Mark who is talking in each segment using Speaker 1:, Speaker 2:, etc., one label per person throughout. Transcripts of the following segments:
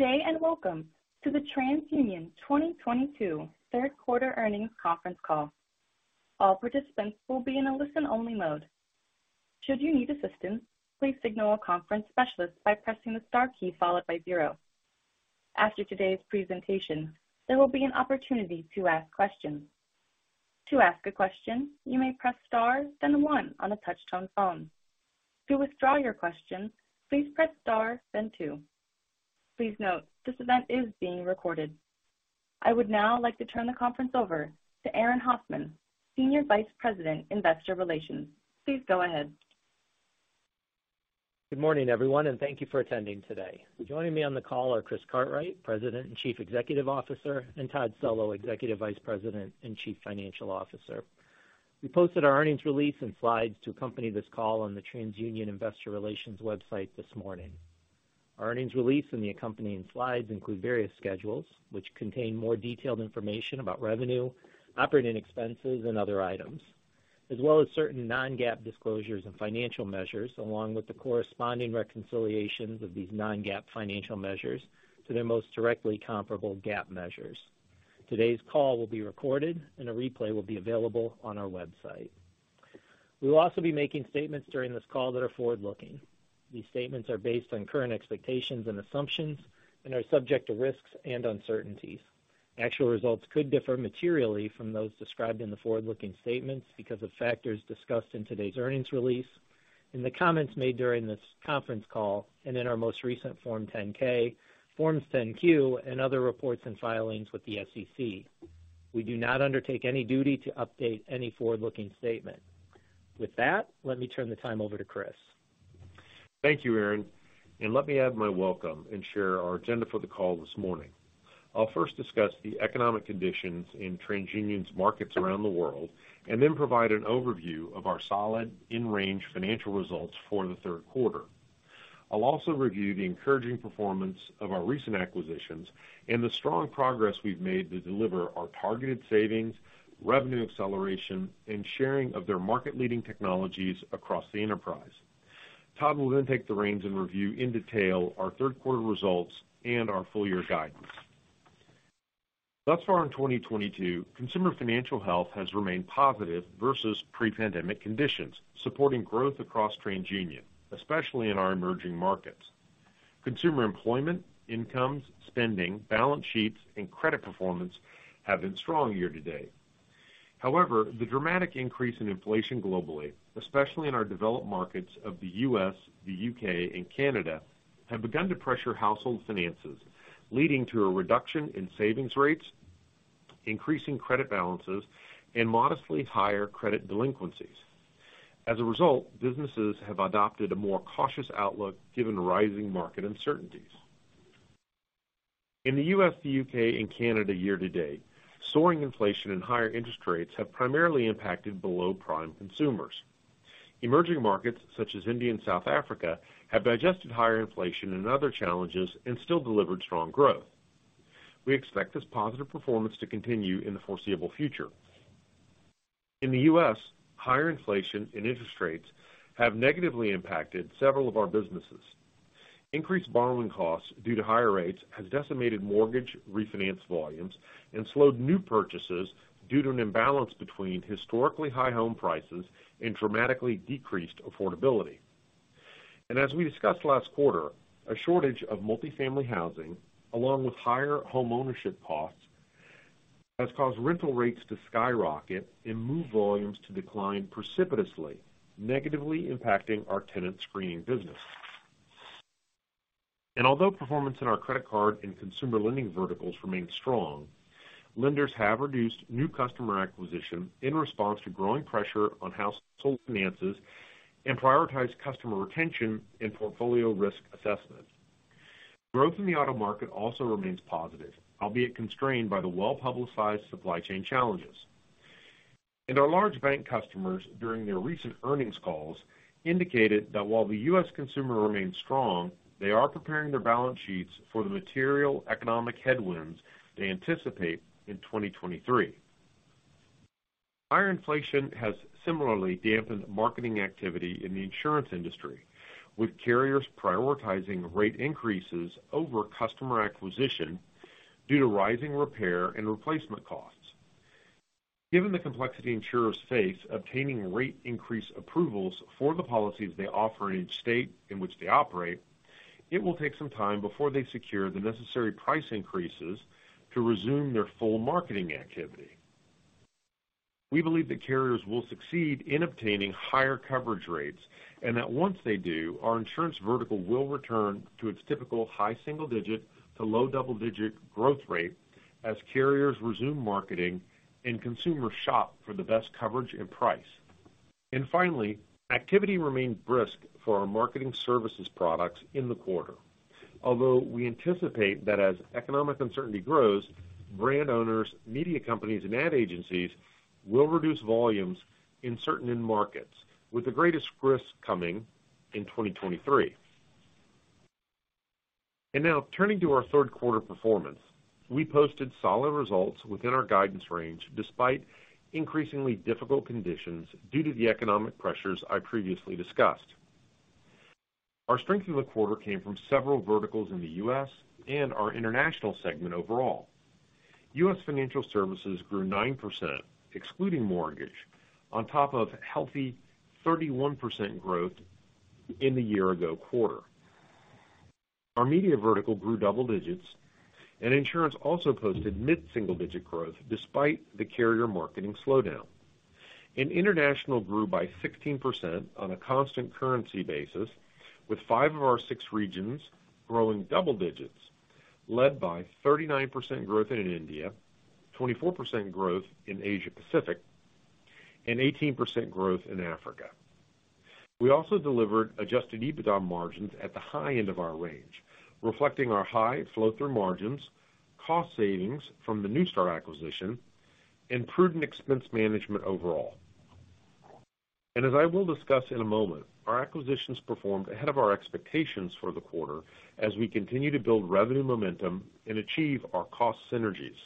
Speaker 1: Good day, and welcome to the TransUnion 2022 Third Quarter Earnings Conference Call. All participants will be in a listen-only mode. Should you need assistance, please signal a conference specialist by pressing the star key followed by zero. After today's presentation, there will be an opportunity to ask questions. To ask a question, you may press star, then one on a touch-tone phone. To withdraw your question, please press star, then two. Please note, this event is being recorded. I would now like to turn the conference over to Aaron Hoffman, Senior Vice President, Investor Relations. Please go ahead.
Speaker 2: Good morning, everyone, and thank you for attending today. Joining me on the call are Chris Cartwright, President and Chief Executive Officer, and Todd Cello, Executive Vice President and Chief Financial Officer. We posted our earnings release and slides to accompany this call on the TransUnion Investor Relations website this morning. Our earnings release and the accompanying slides include various schedules which contain more detailed information about revenue, operating expenses, and other items, as well as certain non-GAAP disclosures and financial measures, along with the corresponding reconciliations of these non-GAAP financial measures to their most directly comparable GAAP measures. Today's call will be recorded and a replay will be available on our website. We will also be making statements during this call that are forward-looking. These statements are based on current expectations and assumptions and are subject to risks and uncertainties. Actual results could differ materially from those described in the forward-looking statements because of factors discussed in today's earnings release, in the comments made during this conference call and in our most recent Form 10-K, Forms 10-Q, and other reports and filings with the SEC. We do not undertake any duty to update any forward-looking statement. With that, let me turn the time over to Chris.
Speaker 3: Thank you, Aaron, and let me add my welcome and share our agenda for the call this morning. I'll first discuss the economic conditions in TransUnion's markets around the world and then provide an overview of our solid in-range financial results for the third quarter. I'll also review the encouraging performance of our recent acquisitions and the strong progress we've made to deliver our targeted savings, revenue acceleration, and sharing of their market-leading technologies across the enterprise. Todd, will then take the reins and review in detail our third quarter results and our full year guidance. Thus far in 2022, consumer financial health has remained positive versus pre-pandemic conditions, supporting growth across TransUnion, especially in our emerging markets. Consumer employment, incomes, spending, balance sheets, and credit performance have been strong year-to-date. However, the dramatic increase in inflation globally, especially in our developed markets of the U.S., the U.K. and Canada, have begun to pressure household finances, leading to a reduction in savings rates, increasing credit balances, and modestly higher credit delinquencies. As a result, businesses have adopted a more cautious outlook given rising market uncertainties. In the U.S., the U.K. and Canada year-to-date, soaring inflation and higher interest rates have primarily impacted below-prime consumers. Emerging markets such as India and South Africa have digested higher inflation and other challenges and still delivered strong growth. We expect this positive performance to continue in the foreseeable future. In the U.S., higher inflation and interest rates have negatively impacted several of our businesses. Increased borrowing costs due to higher rates has decimated mortgage refinance volumes and slowed new purchases due to an imbalance between historically high home prices and dramatically decreased affordability. As we discussed last quarter, a shortage of multifamily housing, along with higher homeownership costs, has caused rental rates to skyrocket and move volumes to decline precipitously, negatively impacting our tenant screening business. Although performance in our credit card and consumer lending verticals remains strong, lenders have reduced new customer acquisition in response to growing pressure on household finances and prioritize customer retention and portfolio risk assessment. Growth in the auto market also remains positive, albeit constrained by the well-publicized supply chain challenges. Our large bank customers during their recent earnings calls indicated that while the U.S. consumer remains strong, they are preparing their balance sheets for the material economic headwinds they anticipate in 2023. Higher inflation has similarly dampened marketing activity in the insurance industry, with carriers prioritizing rate increases over customer acquisition due to rising repair and replacement costs. Given the complexity insurers face obtaining rate increase approvals for the policies they offer in each state in which they operate, it will take some time before they secure the necessary price increases to resume their full marketing activity. We believe that carriers will succeed in obtaining higher coverage rates and that once they do, our insurance vertical will return to its typical high single-digit to low double-digit growth rate as carriers resume marketing and consumers shop for the best coverage and price. Finally, activity remained brisk for our marketing services products in the quarter. Although we anticipate that as economic uncertainty grows, brand owners, media companies, and ad agencies will reduce volumes in certain end markets, with the greatest risk coming in 2023. Now turning to our third quarter performance. We posted solid results within our guidance range despite increasingly difficult conditions due to the economic pressures I previously discussed. Our strength in the quarter came from several verticals in the U.S. and our international segment overall. U.S. Financial Services grew 9%, excluding mortgage, on top of healthy 31% growth in the year ago quarter. Our media vertical grew double digits, and insurance also posted mid-single-digit growth despite the carrier marketing slowdown. International grew by 16% on a constant currency basis, with five of our six regions growing double digits, led by 39% growth in India, 24% growth in Asia Pacific, and 18% growth in Africa. We also delivered adjusted EBITDA margins at the high end of our range, reflecting our high flow-through margins, cost savings from the Neustar acquisition, and prudent expense management overall. As I will discuss in a moment, our acquisitions performed ahead of our expectations for the quarter as we continue to build revenue momentum and achieve our cost synergies.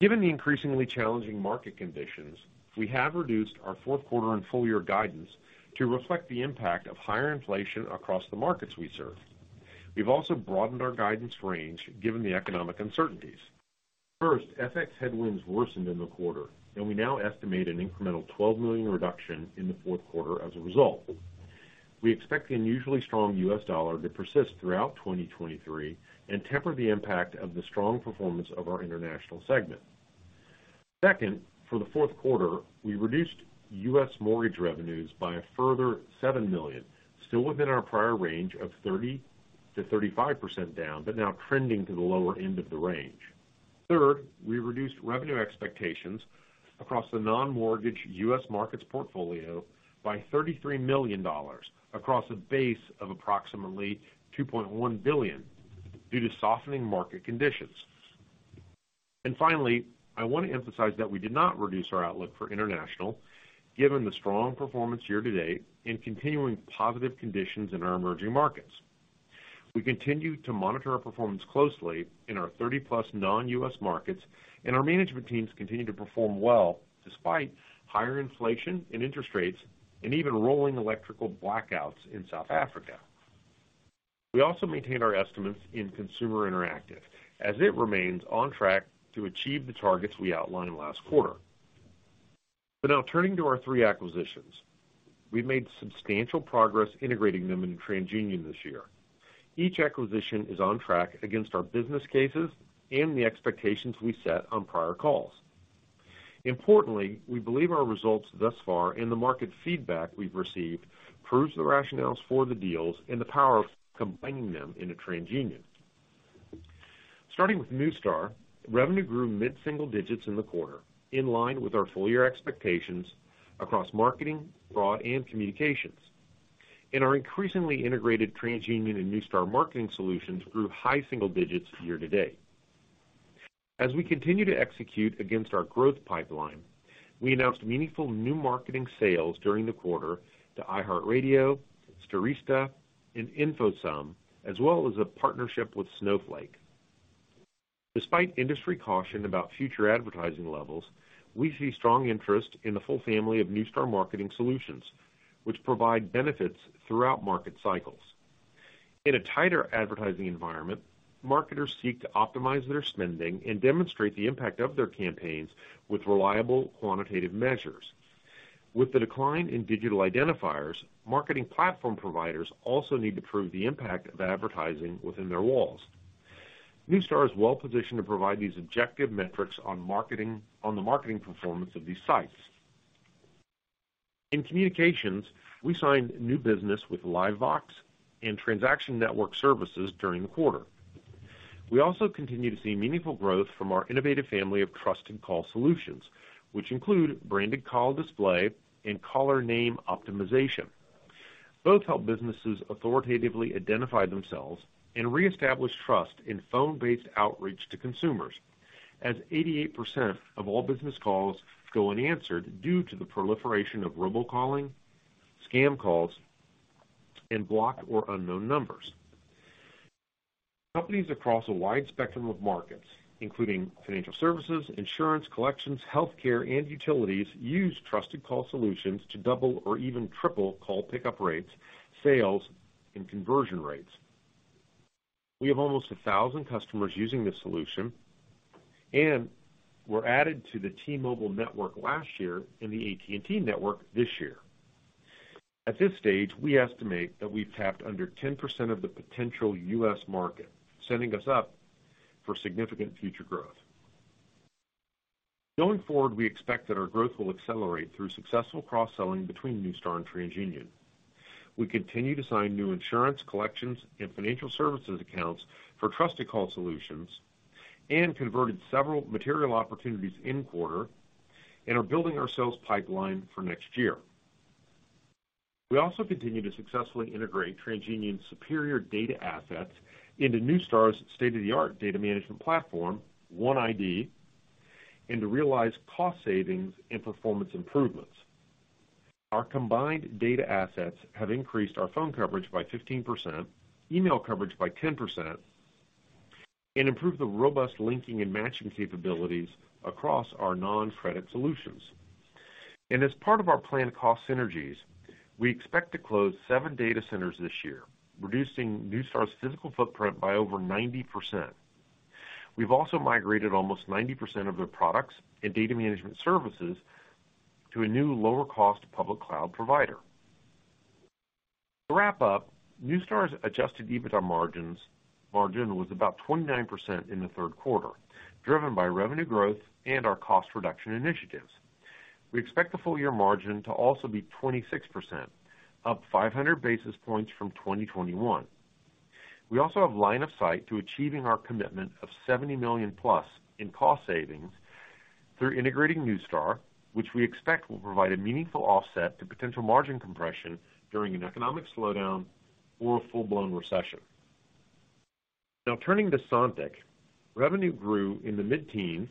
Speaker 3: Given the increasingly challenging market conditions, we have reduced our fourth quarter and full year guidance to reflect the impact of higher inflation across the markets we serve. We've also broadened our guidance range given the economic uncertainties. First, FX headwinds worsened in the quarter, and we now estimate an incremental $12 million reduction in the fourth quarter as a result. We expect the unusually strong U.S. dollar to persist throughout 2023 and temper the impact of the strong performance of our international segment. Second, for the fourth quarter, we reduced U.S. mortgage revenues by a further $7 million, still within our prior range of 30%-35% down, but now trending to the lower end of the range. Third, we reduced revenue expectations across the non-mortgage U.S. markets portfolio by $33 million across a base of approximately $2.1 billion due to softening market conditions. Finally, I want to emphasize that we did not reduce our outlook for international, given the strong performance year-to-date and continuing positive conditions in our emerging markets. We continue to monitor our performance closely in our 30+ non-U.S. markets, and our management teams continue to perform well despite higher inflation and interest rates and even rolling electrical blackouts in South Africa. We also maintain our estimates in Consumer Interactive as it remains on track to achieve the targets we outlined last quarter. Now turning to our three acquisitions. We've made substantial progress integrating them into TransUnion this year. Each acquisition is on track against our business cases and the expectations we set on prior calls. Importantly, we believe our results thus far and the market feedback we've received proves the rationales for the deals and the power of combining them into TransUnion. Starting with Neustar, revenue grew mid-single digits in the quarter, in line with our full-year expectations across marketing, fraud, and communications. Our increasingly integrated TransUnion and Neustar marketing solutions grew high single digits year-to-date. As we continue to execute against our growth pipeline, we announced meaningful new marketing sales during the quarter to iHeartRadio, Stirista, and InfoSum, as well as a partnership with Snowflake. Despite industry caution about future advertising levels, we see strong interest in the full family of Neustar marketing solutions, which provide benefits throughout market cycles. In a tighter advertising environment, marketers seek to optimize their spending and demonstrate the impact of their campaigns with reliable quantitative measures. With the decline in digital identifiers, marketing platform providers also need to prove the impact of advertising within their walls. Neustar is well-positioned to provide these objective metrics on the marketing performance of these sites. In communications, we signed new business with LiveVox and Transaction Network Services during the quarter. We also continue to see meaningful growth from our innovative family of Trusted Call Solutions, which include TruContact Branded Call Display and TruContact Caller Name Optimization. Both help businesses authoritatively identify themselves and reestablish trust in phone-based outreach to consumers, as 88% of all business calls go unanswered due to the proliferation of robocalling, scam calls, and blocked or unknown numbers. Companies across a wide spectrum of markets, including financial services, insurance, collections, healthcare, and utilities, use Trusted Call Solutions to double or even triple call pickup rates, sales, and conversion rates. We have almost 1,000 customers using this solution, and we're added to the T-Mobile network last year and the AT&T network this year. At this stage, we estimate that we've tapped under 10% of the potential U.S. market, setting us up for significant future growth. Going forward, we expect that our growth will accelerate through successful cross-selling between Neustar and TransUnion. We continue to sign new insurance, collections, and financial services accounts for Trusted Call Solutions and converted several material opportunities in-quarter and are building our sales pipeline for next year. We also continue to successfully integrate TransUnion's superior data assets into Neustar's state-of-the-art data management platform, OneID, and to realize cost savings and performance improvements. Our combined data assets have increased our phone coverage by 15%, email coverage by 10%, and improved the robust linking and matching capabilities across our non-credit solutions. As part of our planned cost synergies, we expect to close seven data centers this year, reducing Neustar's physical footprint by over 90%. We've also migrated almost 90% of their products and data management services to a new lower cost public cloud provider. To wrap up, Neustar's adjusted EBITDA margin was about 29% in the third quarter, driven by revenue growth and our cost reduction initiatives. We expect the full year margin to also be 26%, up 500 basis points from 2021. We also have line of sight to achieving our commitment of $70 million+ in cost savings through integrating Neustar, which we expect will provide a meaningful offset to potential margin compression during an economic slowdown or a full-blown recession. Now turning to Sontiq. Revenue grew in the mid-teens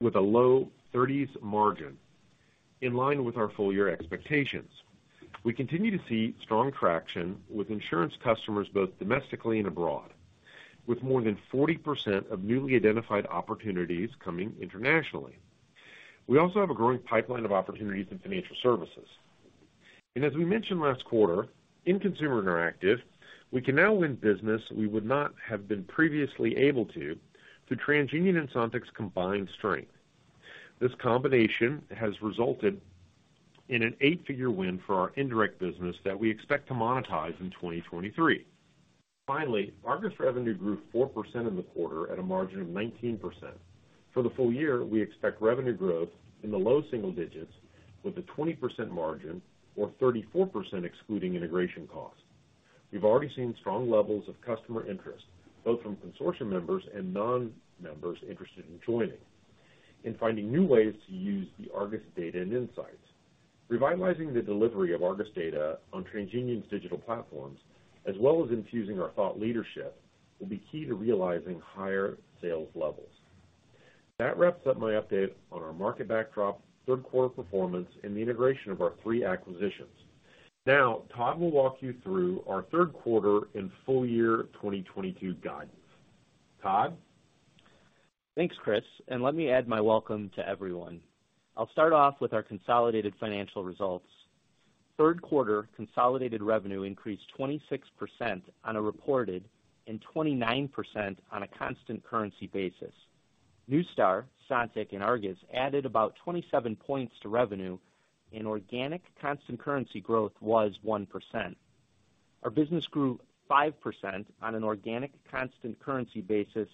Speaker 3: with a low 30s margin in line with our full year expectations. We continue to see strong traction with insurance customers both domestically and abroad, with more than 40% of newly identified opportunities coming internationally. We also have a growing pipeline of opportunities in financial services. As we mentioned last quarter, in consumer interactive, we can now win business we would not have been previously able to through TransUnion and Sontiq's combined strength. This combination has resulted in an eight-figure win for our indirect business that we expect to monetize in 2023. Finally, Argus revenue grew 4% in the quarter at a margin of 19%. For the full year, we expect revenue growth in the low single digits with a 20% margin or 34% excluding integration costs. We've already seen strong levels of customer interest, both from consortium members and non-members interested in joining in finding new ways to use the Argus data and insights. Revitalizing the delivery of Argus data on TransUnion's digital platforms, as well as infusing our thought leadership, will be key to realizing higher sales levels. That wraps up my update on our market backdrop, third quarter performance, and the integration of our three acquisitions. Now Todd will walk you through our third quarter and full year 2022 guidance. Todd?
Speaker 4: Thanks, Chris, and let me add my welcome to everyone. I'll start off with our consolidated financial results. Third quarter consolidated revenue increased 26% on a reported and 29% on a constant currency basis. Neustar, Sontiq and Argus added about 27 points to revenue, and organic constant currency growth was 1%. Our business grew 5% on an organic constant currency basis,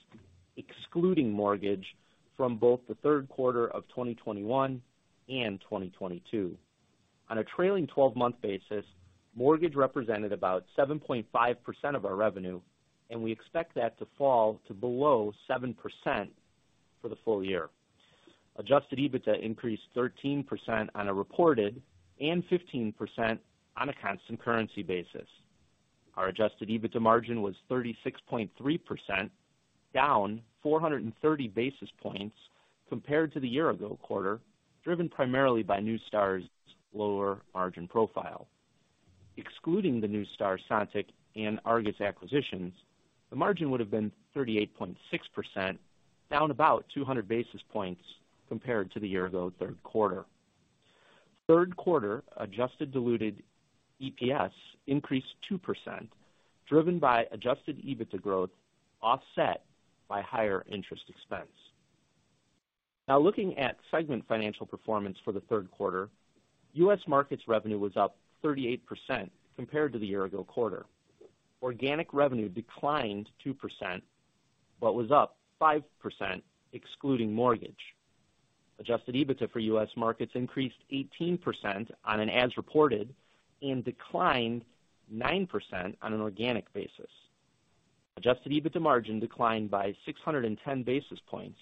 Speaker 4: excluding mortgage from both the third quarter of 2021 and 2022. On a trailing 12-month basis, mortgage represented about 7.5% of our revenue, and we expect that to fall to below 7% for the full year. Adjusted EBITDA increased 13% on a reported and 15% on a constant currency basis. Our adjusted EBITDA margin was 36.3%, down 430 basis points compared to the year ago quarter, driven primarily by Neustar's lower margin profile. Excluding the Neustar, Sontiq and Argus acquisitions, the margin would have been 38.6%, down about 200 basis points compared to the year ago third quarter. Third quarter adjusted diluted EPS increased 2%, driven by adjusted EBITDA growth, offset by higher interest expense. Now looking at segment financial performance for the third quarter, U.S. Markets revenue was up 38% compared to the year ago quarter. Organic revenue declined 2%, but was up 5% excluding mortgage. Adjusted EBITDA for U.S. Markets increased 18% on an as reported and declined 9% on an organic basis. Adjusted EBITDA margin declined by 610 basis points,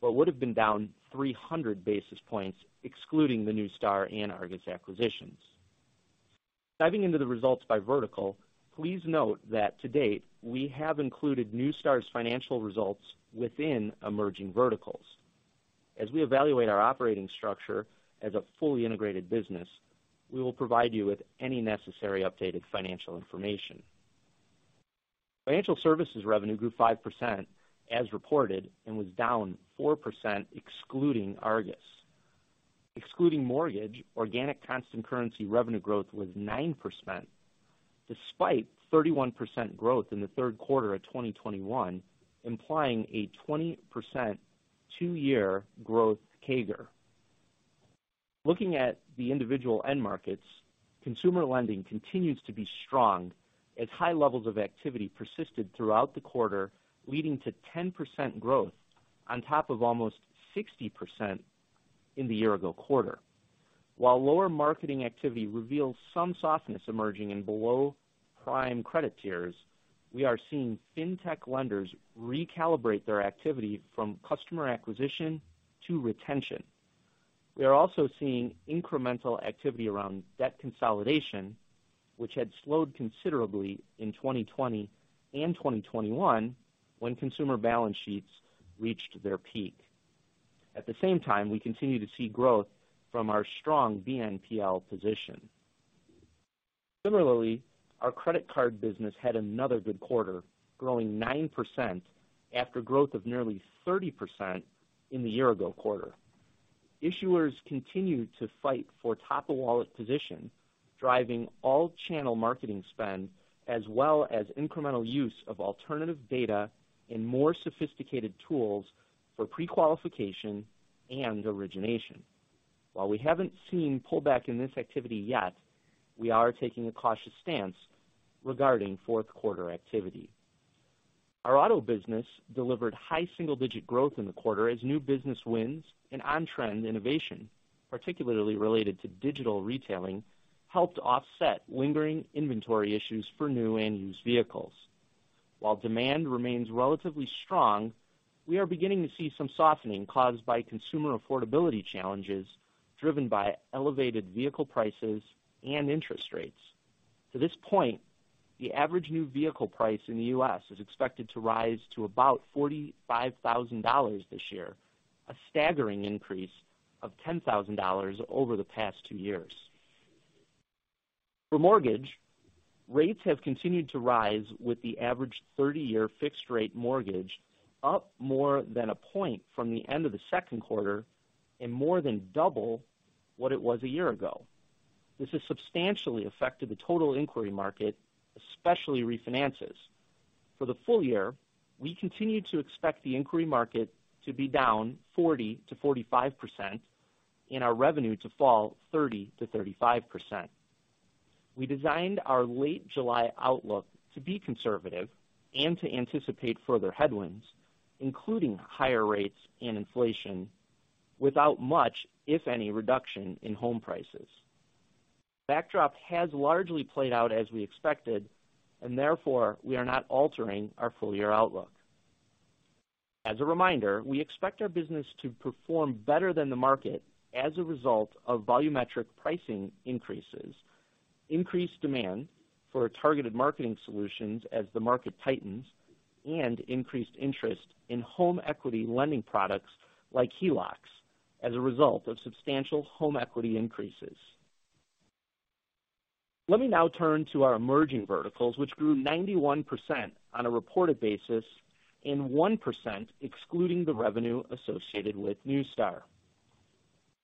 Speaker 4: but would've been down 300 basis points excluding the Neustar and Argus acquisitions. Diving into the results by vertical, please note that to date, we have included Neustar's financial results within emerging verticals. As we evaluate our operating structure as a fully integrated business, we will provide you with any necessary updated financial information. Financial services revenue grew 5% as reported and was down 4% excluding Argus. Excluding mortgage, organic constant currency revenue growth was 9% despite 31% growth in the third quarter of 2021, implying a 20% two-year growth CAGR. Looking at the individual end markets, consumer lending continues to be strong as high levels of activity persisted throughout the quarter, leading to 10% growth on top of almost 60% in the year ago quarter. While lower marketing activity reveals some softness emerging in below prime credit tiers, we are seeing fintech lenders recalibrate their activity from customer acquisition to retention. We are also seeing incremental activity around debt consolidation, which had slowed considerably in 2020 and 2021 when consumer balance sheets reached their peak. At the same time, we continue to see growth from our strong BNPL position. Similarly, our credit card business had another good quarter, growing 9% after growth of nearly 30% in the year ago quarter. Issuers continued to fight for top-of-wallet position, driving all channel marketing spend as well as incremental use of alternative data and more sophisticated tools for pre-qualification and origination. While we haven't seen pullback in this activity yet, we are taking a cautious stance regarding fourth quarter activity. Our auto business delivered high single-digit growth in the quarter as new business wins and on-trend innovation, particularly related to digital retailing, helped offset lingering inventory issues for new and used vehicles. While demand remains relatively strong, we are beginning to see some softening caused by consumer affordability challenges driven by elevated vehicle prices and interest rates. To this point, the average new vehicle price in the U.S. is expected to rise to about $45,000 this year, a staggering increase of $10,000 over the past two years. For mortgage, rates have continued to rise with the average 30-year fixed rate mortgage up more than a point from the end of the second quarter and more than double what it was a year ago. This has substantially affected the total inquiry market, especially refinances. For the full year, we continue to expect the inquiry market to be down 40%-45% and our revenue to fall 30%-35%. We designed our late July outlook to be conservative and to anticipate further headwinds, including higher rates and inflation, without much, if any, reduction in home prices. Backdrop has largely played out as we expected, and therefore we are not altering our full-year outlook. As a reminder, we expect our business to perform better than the market as a result of volumetric pricing increases, increased demand for targeted marketing solutions as the market tightens, and increased interest in home equity lending products like HELOCs as a result of substantial home equity increases. Let me now turn to our emerging verticals, which grew 91% on a reported basis and 1% excluding the revenue associated with Neustar.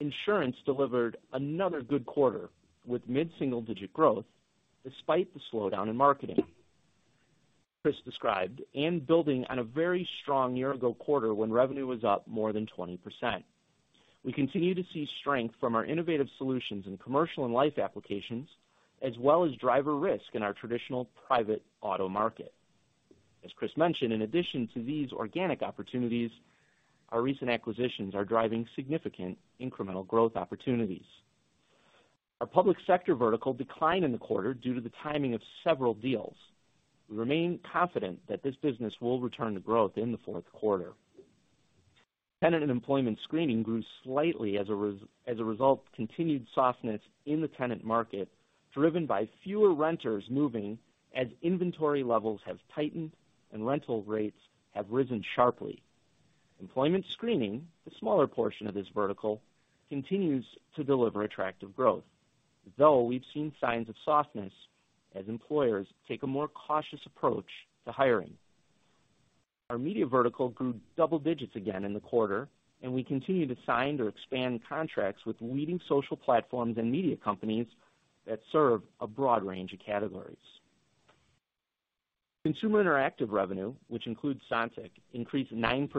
Speaker 4: Insurance delivered another good quarter with mid-single-digit growth despite the slowdown in marketing Chris described and building on a very strong year ago quarter when revenue was up more than 20%. We continue to see strength from our innovative solutions in commercial and life applications, as well as driver risk in our traditional private auto market. As Chris mentioned, in addition to these organic opportunities, our recent acquisitions are driving significant incremental growth opportunities. Our public sector vertical declined in the quarter due to the timing of several deals. We remain confident that this business will return to growth in the fourth quarter. Tenant and employment screening grew slightly as a result of continued softness in the tenant market, driven by fewer renters moving as inventory levels have tightened and rental rates have risen sharply. Employment screening, the smaller portion of this vertical, continues to deliver attractive growth, though we've seen signs of softness as employers take a more cautious approach to hiring. Our media vertical grew double digits again in the quarter, and we continue to sign or expand contracts with leading social platforms and media companies that serve a broad range of categories. Consumer interactive revenue, which includes Sontiq, increased 9%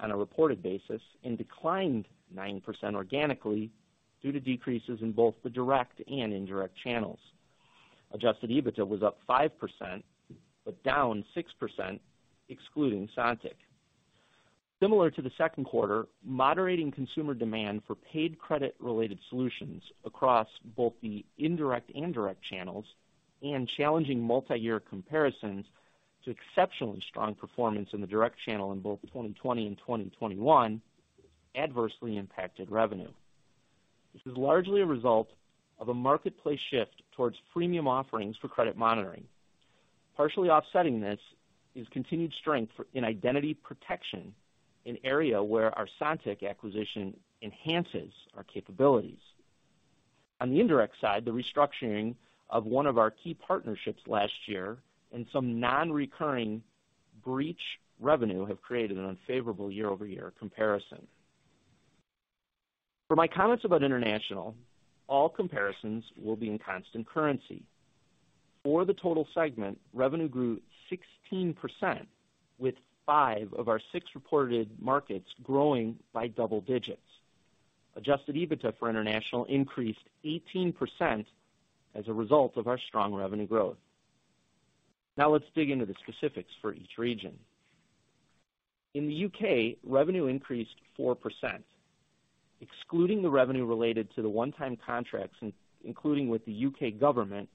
Speaker 4: on a reported basis and declined 9% organically due to decreases in both the direct and indirect channels. Adjusted EBITDA was up 5%, but down 6% excluding Sontiq. Similar to the second quarter, moderating consumer demand for paid credit-related solutions across both the indirect and direct channels and challenging multiyear comparisons to exceptionally strong performance in the direct channel in both 2020 and 2021 adversely impacted revenue. This is largely a result of a marketplace shift towards premium offerings for credit monitoring. Partially offsetting this is continued strength in identity protection, an area where our Sontiq acquisition enhances our capabilities. On the indirect side, the restructuring of one of our key partnerships last year and some non-recurring breach revenue have created an unfavorable year-over-year comparison. For my comments about international, all comparisons will be in constant currency. For the total segment, revenue grew 16%, with five of our six reported markets growing by double digits. Adjusted EBITDA for international increased 18% as a result of our strong revenue growth. Now let's dig into the specifics for each region. In the U.K., revenue increased 4%. Excluding the revenue related to the one-time contracts including with the U.K. government,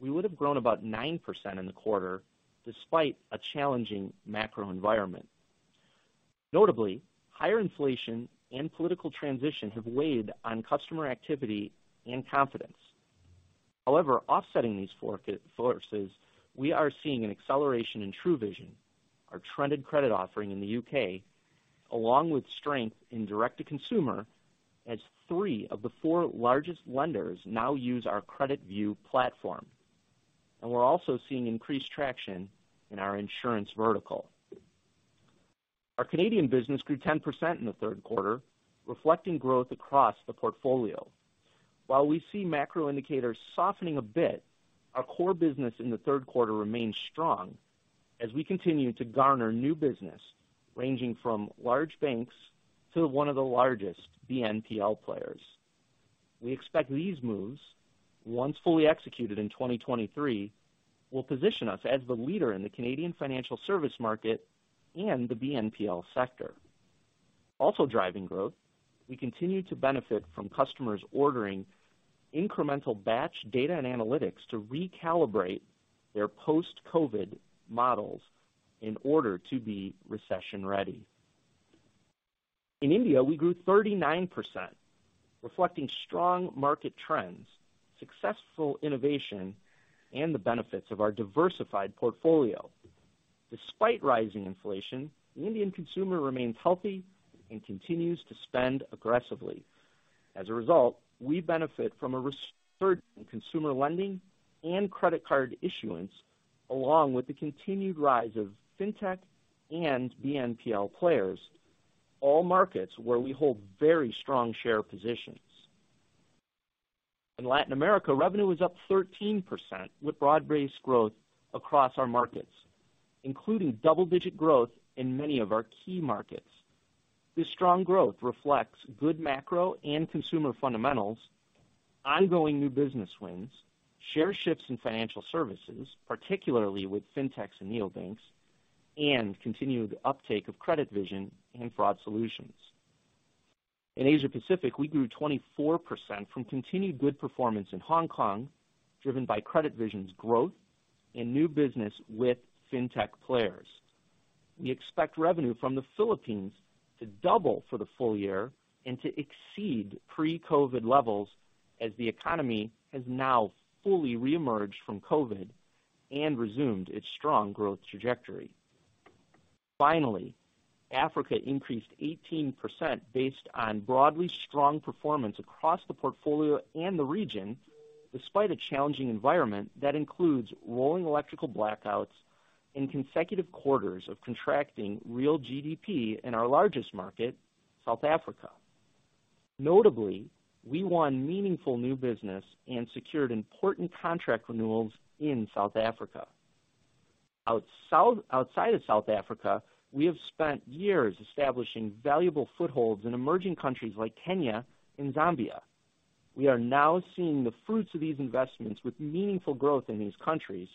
Speaker 4: we would have grown about 9% in the quarter despite a challenging macro environment. Notably, higher inflation and political transition have weighed on customer activity and confidence. However, offsetting these forces, we are seeing an acceleration in TruVision, our trended credit offering in the U.K., along with strength in direct-to-consumer, as three of the four largest lenders now use our CreditView platform. We're also seeing increased traction in our insurance vertical. Our Canadian business grew 10% in the third quarter, reflecting growth across the portfolio. While we see macro indicators softening a bit, our core business in the third quarter remains strong as we continue to garner new business ranging from large banks to one of the largest BNPL players. We expect these moves, once fully executed in 2023, will position us as the leader in the Canadian financial service market and the BNPL sector. Also driving growth, we continue to benefit from customers ordering incremental batch data and analytics to recalibrate their post-COVID models in order to be recession-ready. In India, we grew 39%, reflecting strong market trends, successful innovation, and the benefits of our diversified portfolio. Despite rising inflation, the Indian consumer remains healthy and continues to spend aggressively. As a result, we benefit from a resurgence in consumer lending and credit card issuance, along with the continued rise of fintech and BNPL players, all markets where we hold very strong share positions. In Latin America, revenue was up 13%, with broad-based growth across our markets, including double-digit growth in many of our key markets. This strong growth reflects good macro and consumer fundamentals, ongoing new business wins, share shifts in financial services, particularly with fintechs and neobanks, and continued uptake of CreditVision and fraud solutions. In Asia Pacific, we grew 24% from continued good performance in Hong Kong, driven by CreditVision's growth and new business with fintech players. We expect revenue from the Philippines to double for the full year and to exceed pre-COVID levels as the economy has now fully reemerged from COVID and resumed its strong growth trajectory. Finally, Africa increased 18% based on broadly strong performance across the portfolio and the region, despite a challenging environment that includes rolling electrical blackouts in consecutive quarters of contracting real GDP in our largest market, South Africa. Notably, we won meaningful new business and secured important contract renewals in South Africa. Outside of South Africa, we have spent years establishing valuable footholds in emerging countries like Kenya and Zambia. We are now seeing the fruits of these investments with meaningful growth in these countries,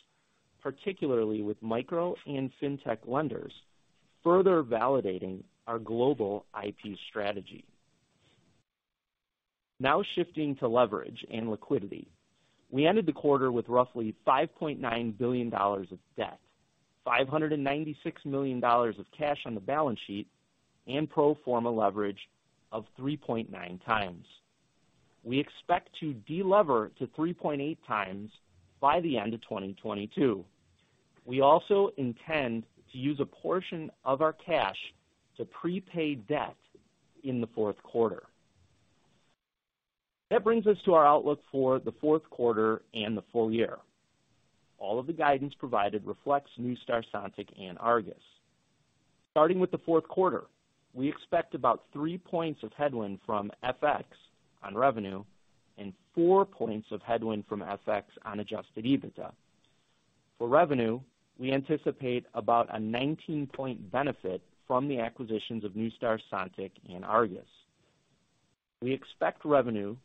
Speaker 4: particularly with micro and fintech lenders, further validating our global IP strategy. Now shifting to leverage and liquidity. We ended the quarter with roughly $5.9 billion of debt, $596 million of cash on the balance sheet, and pro forma leverage of 3.9x. We expect to delever to 3.8x by the end of 2022. We also intend to use a portion of our cash to prepaid debt in the fourth quarter. That brings us to our outlook for the fourth quarter and the full year. All of the guidance provided reflects Neustar, Sontiq and Argus. Starting with the fourth quarter, we expect about three points of headwind from FX on revenue and four points of headwind from FX on adjusted EBITDA. For revenue, we anticipate about a 19-point benefit from the acquisitions of Neustar, Sontiq and Argus. We expect revenue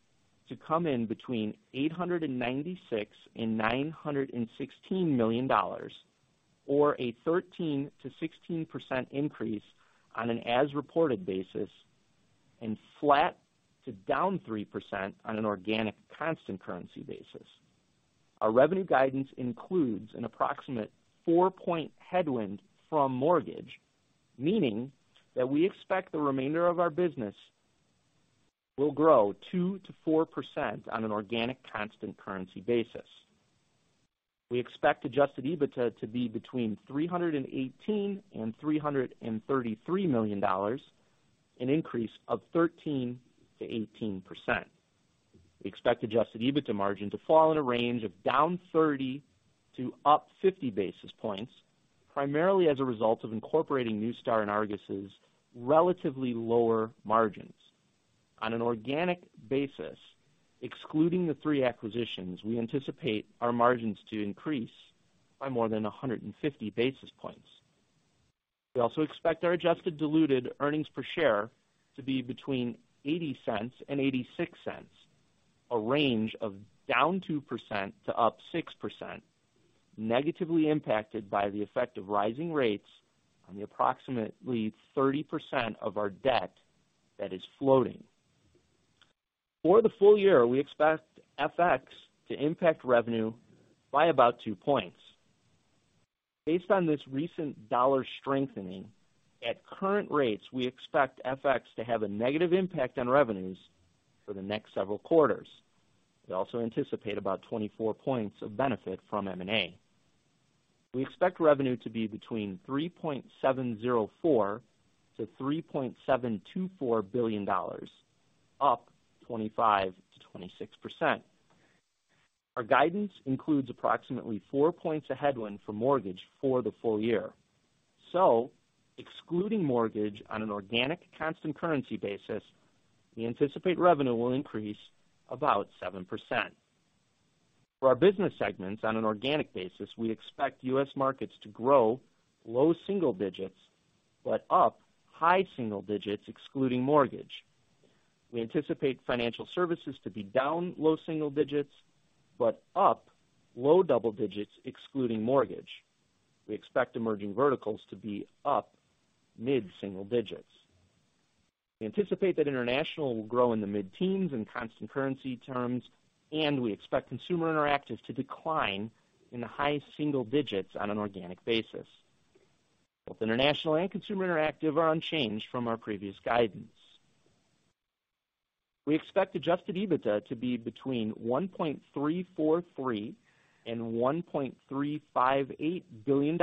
Speaker 4: to come in between $896 million and $916 million, or a 13%-16% increase on an as-reported basis and flat to down 3% on an organic constant currency basis. Our revenue guidance includes an approximate four-point headwind from mortgage, meaning that we expect the remainder of our business will grow 2%-4% on an organic constant currency basis. We expect adjusted EBITDA to be between $318 million and $333 million, an increase of 13%-18%. We expect adjusted EBITDA margin to fall in a range of down 30 to up 50 basis points, primarily as a result of incorporating Neustar and Argus' relatively lower margins. On an organic basis, excluding the three acquisitions, we anticipate our margins to increase by more than 150 basis points. We also expect our adjusted diluted earnings per share to be between $0.80 and $0.86, a range of down 2% to up 6%, negatively impacted by the effect of rising rates on the approximately 30% of our debt that is floating. For the full year, we expect FX to impact revenue by about two points. Based on this recent dollar strengthening, at current rates, we expect FX to have a negative impact on revenues for the next several quarters. We also anticipate about 24 points of benefit from M&A. We expect revenue to be between $3.704 billion-$3.724 billion, up 25%-26%. Our guidance includes approximately four points of headwind for mortgage for the full year. Excluding mortgage on an organic constant currency basis, we anticipate revenue will increase about 7%. For our business segments on an organic basis, we expect U.S. markets to grow low single digits, but up high single digits excluding mortgage. We anticipate financial services to be down low single digits, but up low double digits excluding mortgage. We expect emerging verticals to be up mid-single digits. We anticipate that international will grow in the mid-teens in constant currency terms, and we expect consumer interactive to decline in the high single digits on an organic basis. Both international and consumer interactive are unchanged from our previous guidance. We expect adjusted EBITDA to be between $1.343 billion and $1.358 billion,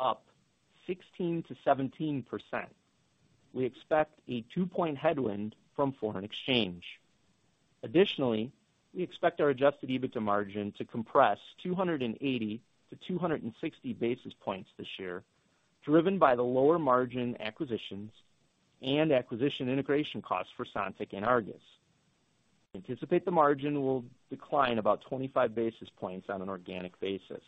Speaker 4: up 16%-17%. We expect a two-point headwind from foreign exchange. Additionally, we expect our adjusted EBITDA margin to compress 280–260 basis points this year, driven by the lower margin acquisitions and acquisition integration costs for Sontiq and Argus. Anticipate the margin will decline about 25 basis points on an organic basis.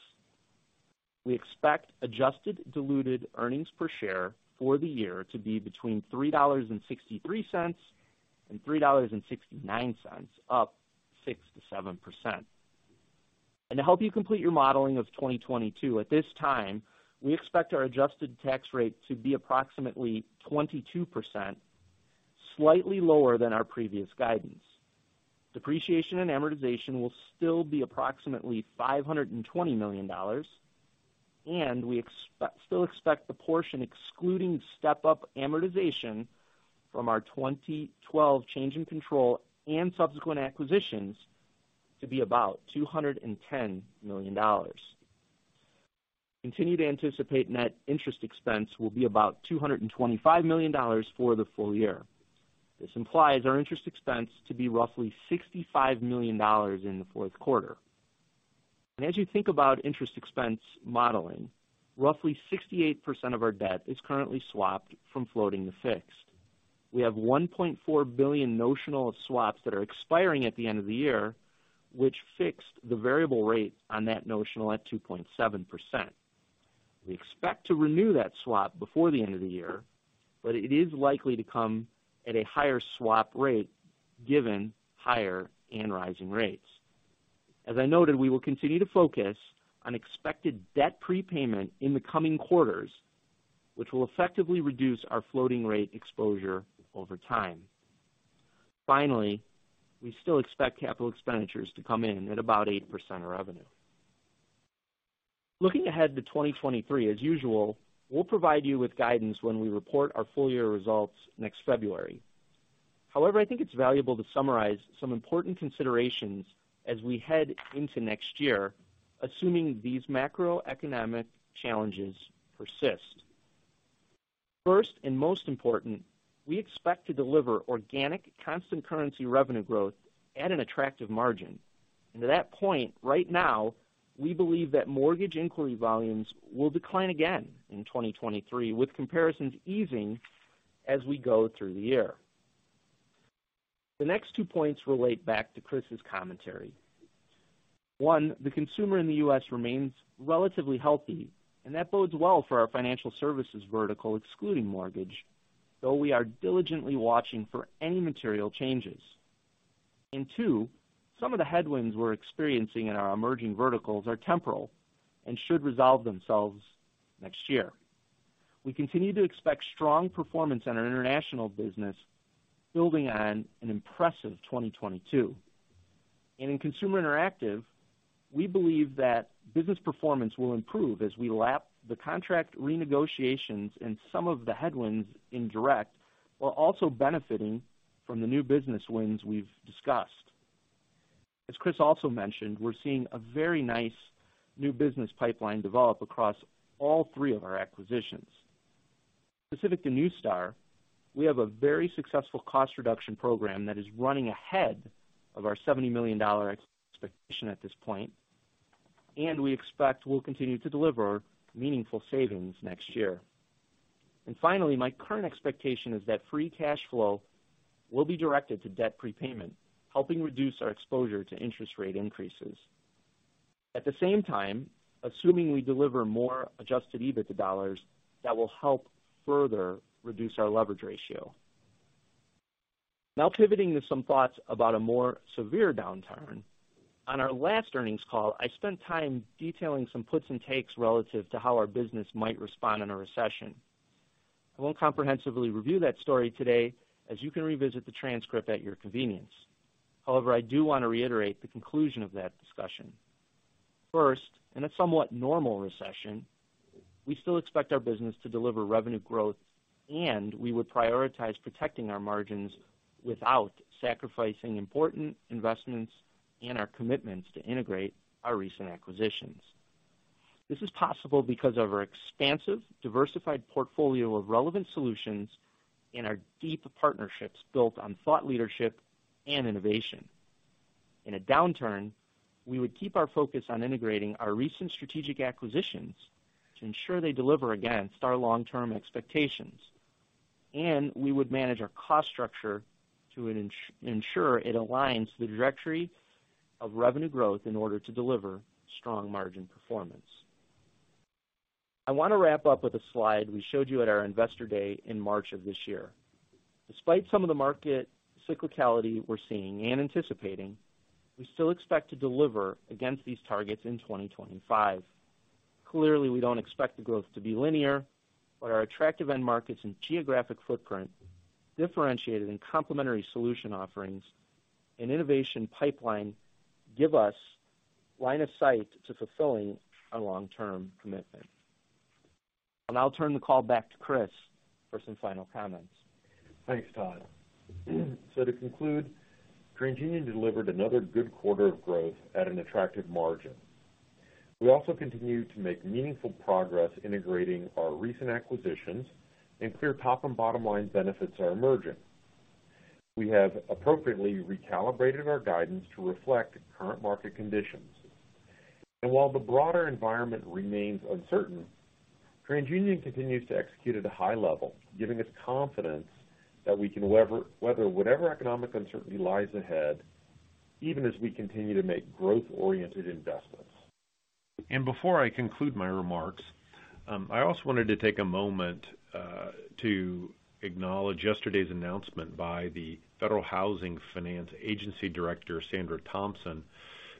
Speaker 4: We expect adjusted diluted earnings per share for the year to be between $3.63 and $3.69, up 6%-7%. To help you complete your modeling of 2022, at this time, we expect our adjusted tax rate to be approximately 22%, slightly lower than our previous guidance. Depreciation and amortization will still be approximately $520 million, and we still expect the portion excluding step-up amortization from our 2012 change in control and subsequent acquisitions to be about $210 million. Continue to anticipate net interest expense will be about $225 million for the full year. This implies our interest expense to be roughly $65 million in the fourth quarter. As you think about interest expense modeling, roughly 68% of our debt is currently swapped from floating to fixed. We have 1.4 billion notional of swaps that are expiring at the end of the year, which fixed the variable rate on that notional at 2.7%. We expect to renew that swap before the end of the year, but it is likely to come at a higher swap rate given higher and rising rates. As I noted, we will continue to focus on expected debt prepayment in the coming quarters, which will effectively reduce our floating rate exposure over time. Finally, we still expect capital expenditures to come in at about 8% of revenue. Looking ahead to 2023, as usual, we'll provide you with guidance when we report our full year results next February. However, I think it's valuable to summarize some important considerations as we head into next year, assuming these macroeconomic challenges persist. First and most important, we expect to deliver organic constant currency revenue growth at an attractive margin. To that point, right now, we believe that mortgage inquiry volumes will decline again in 2023, with comparisons easing as we go through the year. The next two points relate back to Chris's commentary. One, the consumer in the U.S. remains relatively healthy, and that bodes well for our financial services vertical, excluding mortgage, though we are diligently watching for any material changes. Two, some of the headwinds we're experiencing in our emerging verticals are temporal and should resolve themselves next year. We continue to expect strong performance in our international business, building on an impressive 2022. In consumer interactive, we believe that business performance will improve as we lap the contract renegotiations and some of the headwinds in direct, while also benefiting from the new business wins we've discussed. As Chris also mentioned, we're seeing a very nice new business pipeline develop across all three of our acquisitions. Specific to Neustar, we have a very successful cost reduction program that is running ahead of our $70 million expectation at this point, and we expect we'll continue to deliver meaningful savings next year. Finally, my current expectation is that free cash flow will be directed to debt prepayment, helping reduce our exposure to interest rate increases. At the same time, assuming we deliver more adjusted EBITDA dollars, that will help further reduce our leverage ratio. Now pivoting to some thoughts about a more severe downturn. On our last earnings call, I spent time detailing some puts and takes relative to how our business might respond in a recession. I won't comprehensively review that story today, as you can revisit the transcript at your convenience. However, I do wanna reiterate the conclusion of that discussion. First, in a somewhat normal recession, we still expect our business to deliver revenue growth, and we would prioritize protecting our margins without sacrificing important investments and our commitments to integrate our recent acquisitions. This is possible because of our expansive, diversified portfolio of relevant solutions and our deep partnerships built on thought leadership and innovation. In a downturn, we would keep our focus on integrating our recent strategic acquisitions to ensure they deliver against our long-term expectations, and we would manage our cost structure to ensure it aligns with the trajectory of revenue growth in order to deliver strong margin performance. I wanna wrap up with a slide we showed you at our Investor Day in March of this year. Despite some of the market cyclicality we're seeing and anticipating, we still expect to deliver against these targets in 2025. Clearly, we don't expect the growth to be linear, but our attractive end markets and geographic footprint, differentiated and complementary solution offerings and innovation pipeline give us line of sight to fulfilling our long-term commitment. I'll turn the call back to Chris for some final comments.
Speaker 3: Thanks, Todd. To conclude, TransUnion delivered another good quarter of growth at an attractive margin. We also continued to make meaningful progress integrating our recent acquisitions, and clear top and bottom line benefits are emerging. We have appropriately recalibrated our guidance to reflect current market conditions. While the broader environment remains uncertain, TransUnion continues to execute at a high level, giving us confidence that we can weather whatever economic uncertainty lies ahead, even as we continue to make growth-oriented investments. Before I conclude my remarks, I also wanted to take a moment to acknowledge yesterday's announcement by the Federal Housing Finance Agency Director, Sandra Thompson,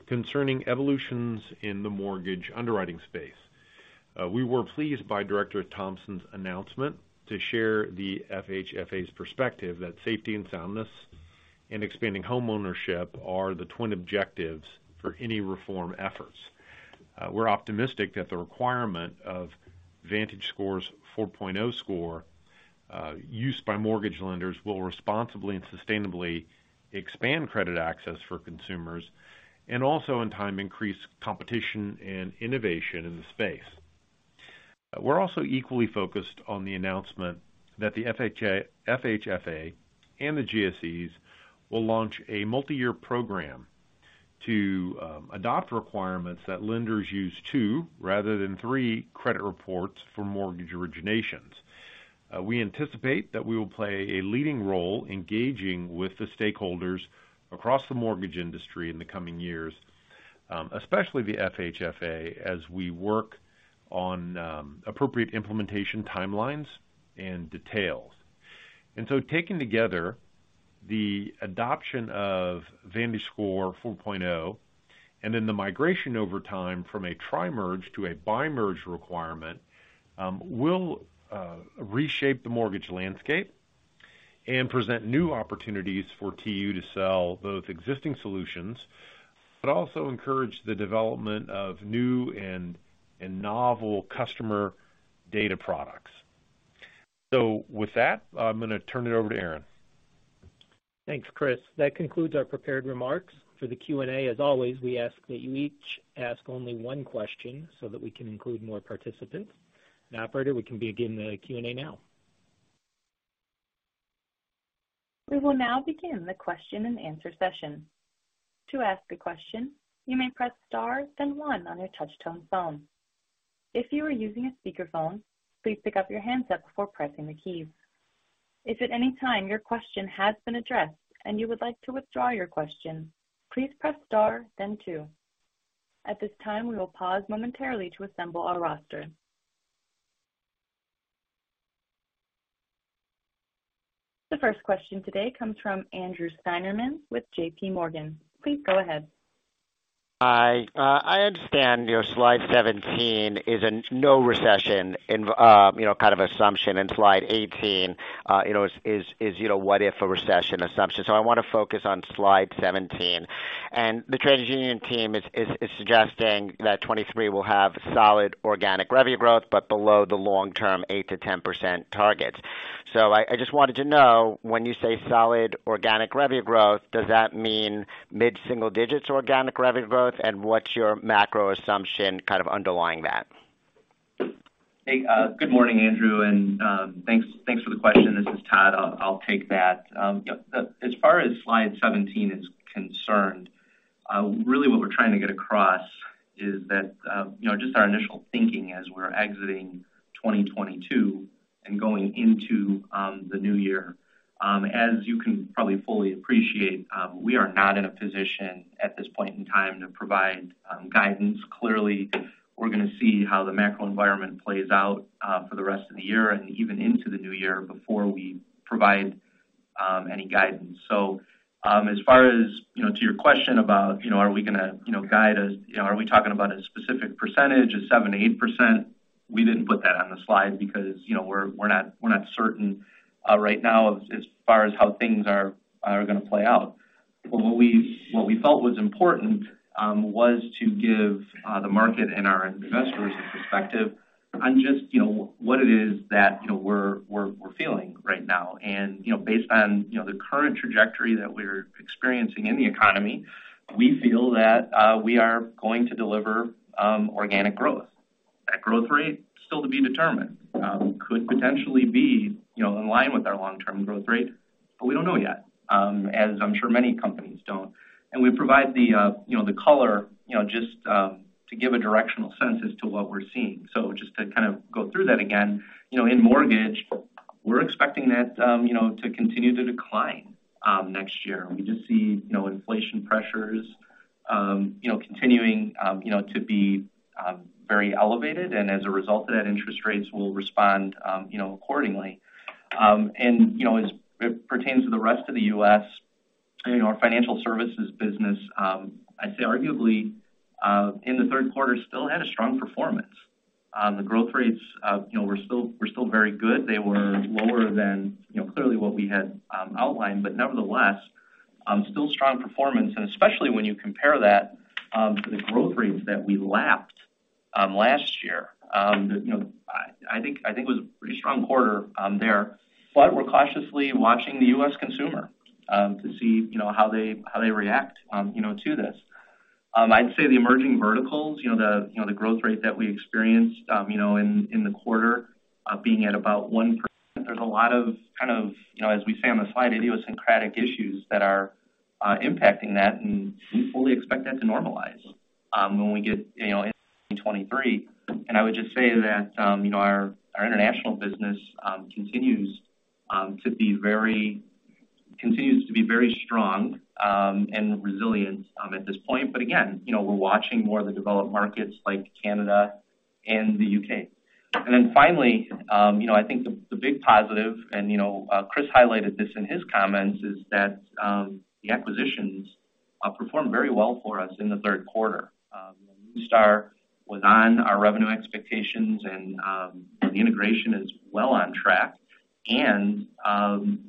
Speaker 3: concerning evolutions in the mortgage underwriting space. We were pleased by Director Thompson's announcement to share the FHFA's perspective that safety and soundness and expanding homeownership are the twin objectives for any reform efforts. We're optimistic that the requirement of VantageScore's 4.0 score, used by mortgage lenders will responsibly and sustainably expand credit access for consumers, and also in time, increase competition and innovation in the space. We're also equally focused on the announcement that the FHFA and the GSEs will launch a multiyear program to adopt requirements that lenders use two rather than three credit reports for mortgage originations. We anticipate that we will play a leading role engaging with the stakeholders across the mortgage industry in the coming years, especially the FHFA, as we work on appropriate implementation timelines and details. Taken together, the adoption of VantageScore 4.0, and then the migration over time from a tri-merge to a bi-merge requirement, will reshape the mortgage landscape and present new opportunities for TU to sell both existing solutions, but also encourage the development of new and novel customer data products. With that, I'm gonna turn it over to Aaron.
Speaker 2: Thanks, Chris. That concludes our prepared remarks. For the Q&A, as always, we ask that you each ask only one question so that we can include more participants. Operator, we can begin the Q&A now.
Speaker 1: We will now begin the question-and-answer session. To ask a question, you may press star then one on your touchtone phone. If you are using a speakerphone, please pick up your handset before pressing the keys. If at any time your question has been addressed and you would like to withdraw your question, please press star then two. At this time, we will pause momentarily to assemble our roster. The first question today comes from Andrew Steinerman with JPMorgan. Please go ahead.
Speaker 5: Hi. I understand your slide 17 is a no recession in view, you know, kind of assumption, and slide 18, you know, is what if a recession assumption. I wanna focus on slide 17. The TransUnion team is suggesting that 2023 will have solid organic revenue growth, but below the long-term 8%-10% targets. I just wanted to know, when you say solid organic revenue growth, does that mean mid-single digits organic revenue growth, and what's your macro assumption kind of underlying that?
Speaker 4: Hey, good morning, Andrew, and thanks for the question. This is Todd. I'll take that. Yep, as far as slide 17 is concerned, really what we're trying to get across is that, you know, just our initial thinking as we're exiting 2022 and going into the new year, as you can probably fully appreciate, we are not in a position at this point in time to provide guidance. Clearly, we're gonna see how the macro environment plays out for the rest of the year and even into the new year before we provide any guidance. As far as, you know, to your question about, you know, are we gonna, you know, are we talking about a specific percentage of 7%-8%? We didn't put that on the slide because, you know, we're not certain right now as far as how things are gonna play out. What we felt was important was to give the market and our investors a perspective on just, you know, what it is that, you know, we're feeling right now. You know, based on, you know, the current trajectory that we're experiencing in the economy, we feel that we are going to deliver organic growth. That growth rate still to be determined. Could potentially be, you know, in line with our long-term growth rate, but we don't know yet, as I'm sure many companies don't. We provide the, you know, the color, you know, just to give a directional sense as to what we're seeing. Just to kind of go through that again, you know, in mortgage, we're expecting that, you know, to continue to decline next year. We just see, you know, inflation pressures, you know, continuing, you know, to be very elevated. As a result of that, interest rates will respond, you know, accordingly. You know, as it pertains to the rest of the U.S., you know, our financial services business, I'd say arguably, in the third quarter still had a strong performance. The growth rates, you know, were still very good. They were lower than, you know, clearly, what we had outlined. Nevertheless, still strong performance, and especially when you compare that to the growth rates that we lapped last year. You know, I think it was a pretty strong quarter there. We're cautiously watching the U.S. consumer to see, you know, how they react, you know, to this. I'd say the emerging verticals, you know, the growth rate that we experienced, you know, in the quarter being at about 1%, there's a lot of kind of, you know, as we say on the slide, idiosyncratic issues that are impacting that, and we fully expect that to normalize, you know, when we get in 2023. I would just say that, you know, our international business continues to be very strong and resilient at this point. Again, you know, we're watching more of the developed markets like Canada and the U.K. Then finally, you know, I think the big positive, and, you know, Chris highlighted this in his comments, is that the acquisitions performed very well for us in the third quarter. Er was on our revenue expectations, and the integration is well on track. You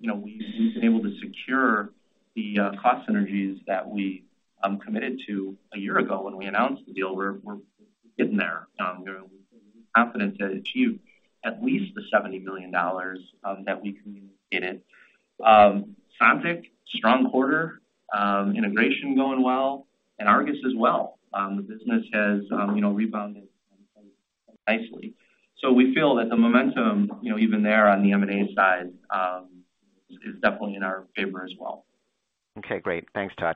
Speaker 4: know, we've been able to secure the cost synergies that we committed to a year ago when we announced the deal. We're getting there. We're confident to achieve at least the $70 million that we communicated. Sontiq, strong quarter. Integration going well. Argus as well. The business has, you know, rebounded nicely. We feel that the momentum, you know, even there on the M&A side, is definitely in our favor as well.
Speaker 5: Okay, great. Thanks, Todd.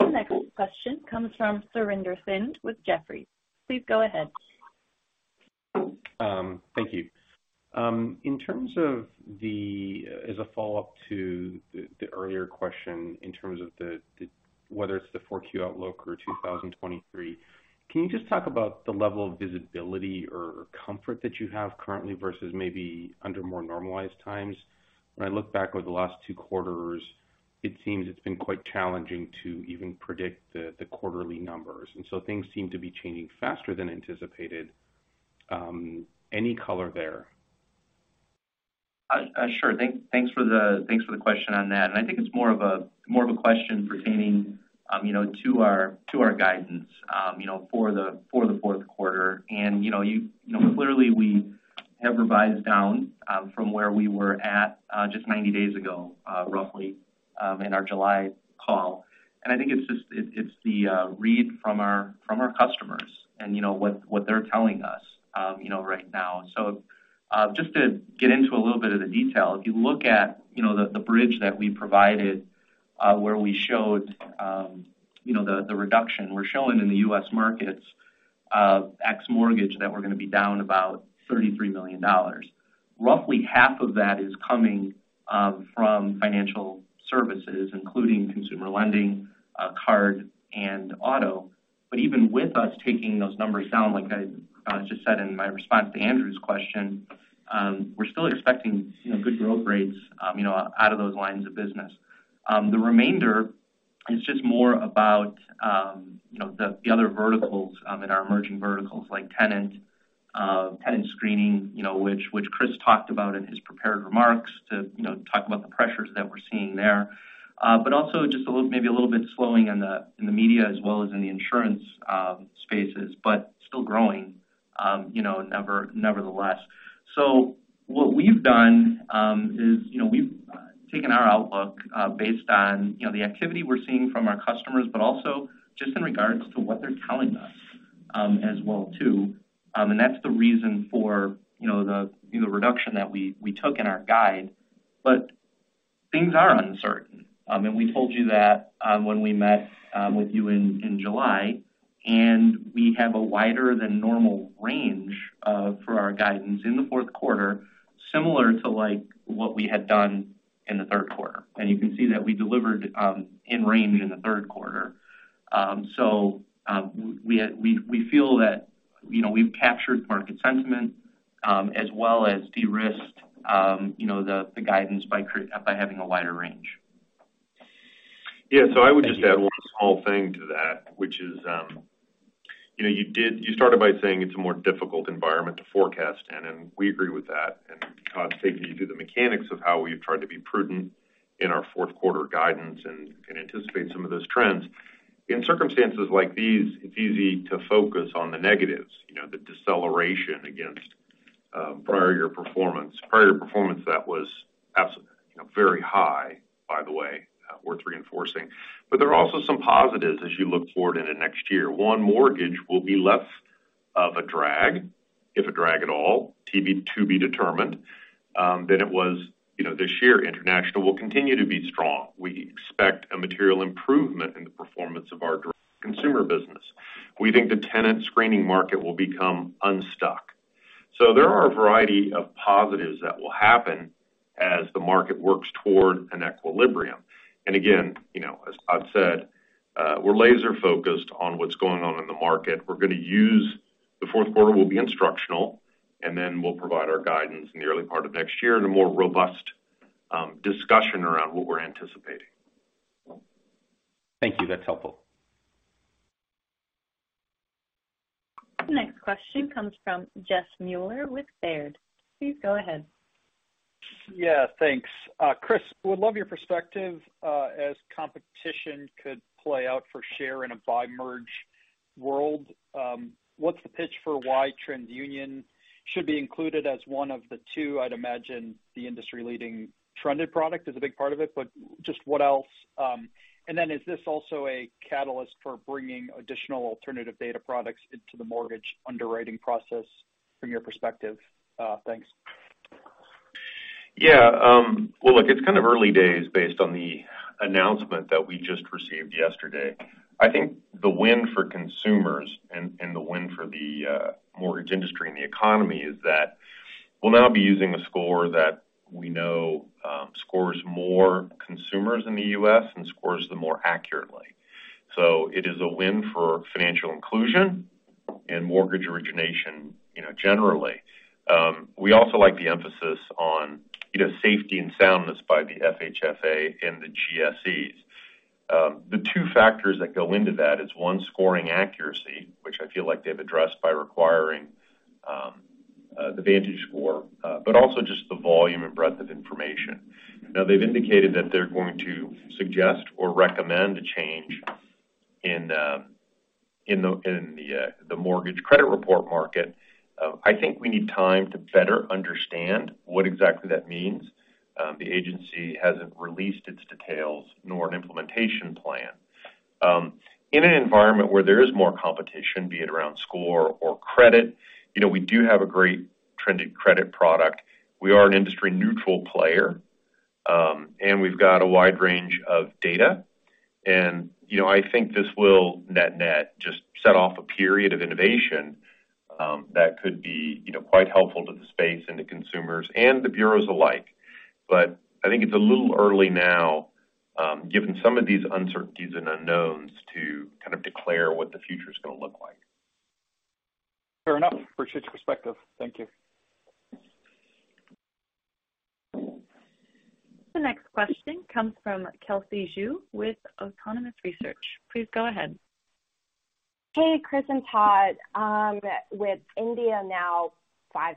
Speaker 1: The next question comes from Surinder Thind with Jefferies. Please go ahead.
Speaker 6: Thank you. In terms of the as a follow-up to the earlier question in terms of whether it's the 4Q outlook or 2023, can you just talk about the level of visibility or comfort that you have currently versus maybe under more normalized times? When I look back over the last two quarters, it seems it's been quite challenging to even predict the quarterly numbers, and so things seem to be changing faster than anticipated. Any color there?
Speaker 4: Sure. Thanks for the question on that. I think it's more of a question pertaining, you know, to our guidance, you know, for the fourth quarter. You know, clearly we have revised down from where we were at just 90 days ago, roughly, in our July call. I think it's the read from our customers and, you know, what they're telling us you, know, right now. Just to get into a little bit of the detail. If you look at, you know, the bridge that we provided where we showed, you know, the reduction we're showing in the U.S. markets ex mortgage that we're gonna be down about $33 million. Roughly half of that is coming from financial services including consumer lending, card, and auto. Even with us taking those numbers down, like I just said in my response to Andrew's question, we're still expecting, you know, good growth rates, you know, out of those lines of business. The remainder is just more about, you know, the other verticals in our emerging verticals like tenant screening, you know, which Chris talked about in his prepared remarks, to talk about the pressures that we're seeing there. But also just a little bit slowing in the media as well as in the insurance spaces, but still growing, you know, nevertheless. What we've done, is, you know, we've taken our outlook, based on, you know, the activity we're seeing from our customers, but also just in regards to what they're telling us, as well too. That's the reason for, you know, the reduction that we took in our guide. Things are uncertain. We told you that, when we met with you in July. We have a wider than normal range for our guidance in the fourth quarter, similar to like what we had done in the third quarter. You can see that we delivered in range in the third quarter. We feel that, you know, we've captured market sentiment, as well as de-risked, you know, the guidance by having a wider range.
Speaker 3: Yeah. I would just add one small thing to that, which is, you know, you started by saying it's a more difficult environment to forecast in, and we agree with that. Todd's taken you through the mechanics of how we've tried to be prudent in our fourth quarter guidance and anticipate some of those trends. In circumstances like these, it's easy to focus on the negatives, you know, the deceleration against prior year performance. Prior year performance that was absolute, you know, very high, by the way, worth reinforcing. There are also some positives as you look forward into next year. One, mortgage will be less of a drag, if a drag at all, to be determined, than it was, this year. International will continue to be strong. We expect a material improvement in the performance of our direct consumer business. We think the tenant screening market will become unstuck. There are a variety of positives that will happen as the market works toward an equilibrium. Again, you know, as Todd said, we're laser focused on what's going on in the market. The fourth quarter will be instructional, and then we'll provide our guidance in the early part of next year in a more robust discussion around what we're anticipating.
Speaker 6: Thank you. That's helpful.
Speaker 1: The next question comes from Jeff Mueller with Baird. Please go ahead.
Speaker 7: Yeah, thanks. Chris, would love your perspective, as competition could play out for share in a bi-merge world. What's the pitch for why TransUnion should be included as one of the two? I'd imagine the industry-leading trended product is a big part of it, but just what else? Is this also a catalyst for bringing additional alternative data products into the mortgage underwriting process from your perspective? Thanks.
Speaker 3: Yeah. Well, look, it's kind of early days based on the announcement that we just received yesterday. I think the win for consumers and the win for the mortgage industry and the economy is that we'll now be using a score that we know scores more consumers in the U.S. and scores them more accurately. It is a win for financial inclusion and mortgage origination, you know, generally. We also like the emphasis on, you know, safety and soundness by the FHFA and the GSEs. The two factors that go into that is one, scoring accuracy, which I feel like they've addressed by requiring the VantageScore, but also just the volume and breadth of information. Now, they've indicated that they're going to suggest or recommend a change in the mortgage credit report market. I think we need time to better understand what exactly that means. The agency hasn't released its details nor an implementation plan. In an environment where there is more competition, be it around score or credit, you know, we do have a great trended credit product. We are an industry neutral player, and we've got a wide range of data. You know, I think this will net-net just set off a period of innovation, that could be, you know, quite helpful to the space and the consumers and the bureaus alike. I think it's a little early now, given some of these uncertainties and unknowns, to kind of declare what the future's gonna look like.
Speaker 7: Fair enough. Appreciate your perspective. Thank you.
Speaker 1: The next question comes from Kelsey Zhu with Autonomous Research. Please go ahead.
Speaker 8: Hey, Chris and Todd. With India now 5%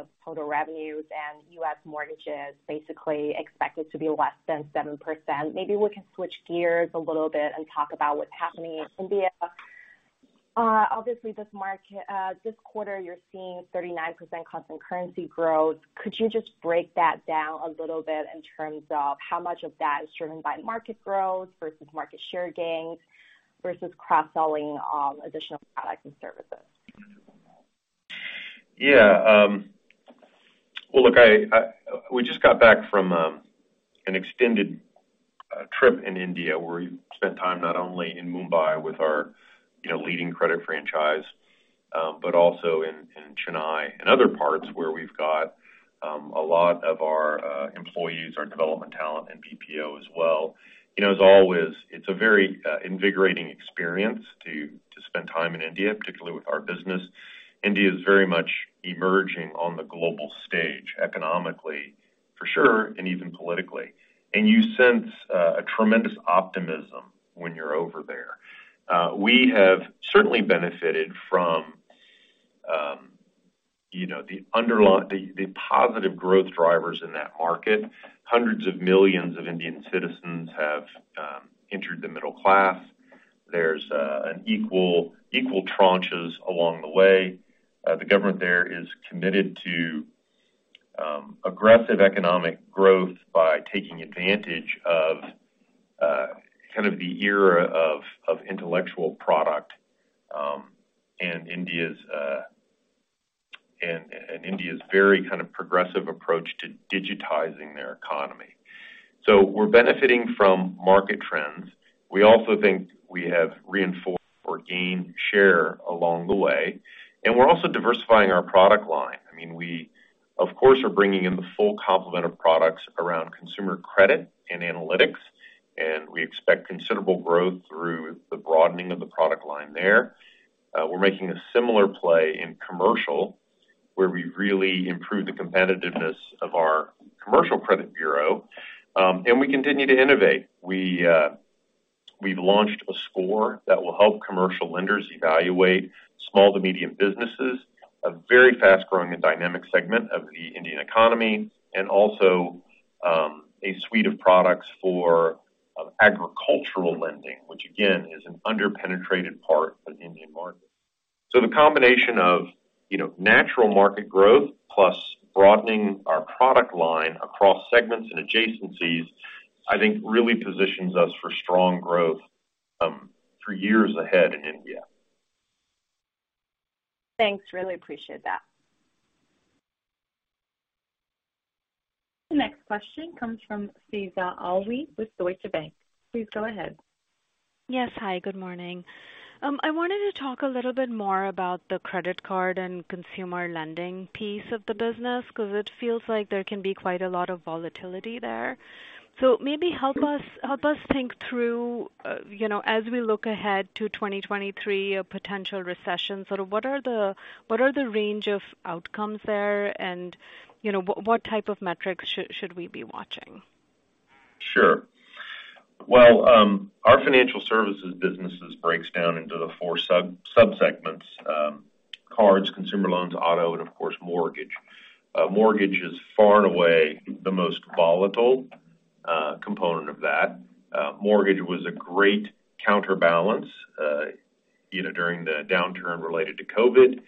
Speaker 8: of total revenues and U.S. mortgages basically expected to be less than 7%, maybe we can switch gears a little bit and talk about what's happening in India. Obviously this quarter, you're seeing 39% constant currency growth. Could you just break that down a little bit in terms of how much of that is driven by market growth versus market share gains versus cross-selling of additional products and services?
Speaker 3: Yeah. Well, look, we just got back from an extended trip in India, where we spent time not only in Mumbai with our, you know, leading credit franchise, but also in Chennai and other parts where we've got a lot of our employees, our development talent and BPO as well. You know, as always, it's a very invigorating experience to spend time in India, particularly with our business. India is very much emerging on the global stage economically for sure, and even politically. You sense a tremendous optimism when you're over there. We have certainly benefited from, you know, the positive growth drivers in that market. Hundreds of millions of Indian citizens have entered the middle class. There's an equal tranches along the way. The government there is committed to aggressive economic growth by taking advantage of kind of the era of intellectual product, and India's very kind of progressive approach to digitizing their economy. We're benefiting from market trends. We also think we have reinforced or gained share along the way, and we're also diversifying our product line. I mean, we of course are bringing in the full complement of products around consumer credit and analytics, and we expect considerable growth through the broadening of the product line there. We're making a similar play in commercial, where we really improve the competitiveness of our commercial credit bureau. We continue to innovate. We've launched a score that will help commercial lenders evaluate small to medium businesses, a very fast-growing and dynamic segment of the Indian economy, and also a suite of products for agricultural lending, which again is an under-penetrated part of the Indian market. The combination of, you know, natural market growth plus broadening our product line across segments and adjacencies, I think really positions us for strong growth for years ahead in India.
Speaker 8: Thanks, really appreciate that.
Speaker 1: The next question comes from Faiza Alwy with Deutsche Bank. Please go ahead.
Speaker 9: Yes. Hi, good morning. I wanted to talk a little bit more about the credit card and consumer lending piece of the business, 'cause it feels like there can be quite a lot of volatility there. Maybe help us think through, you know, as we look ahead to 2023, a potential recession, sort of what are the range of outcomes there and, you know, what type of metrics should we be watching?
Speaker 3: Sure. Well, our financial services businesses breaks down into the four sub-segments, cards, consumer loans, auto, and of course, mortgage. Mortgage is far and away the most volatile component of that. Mortgage was a great counterbalance, you know, during the downturn related to COVID,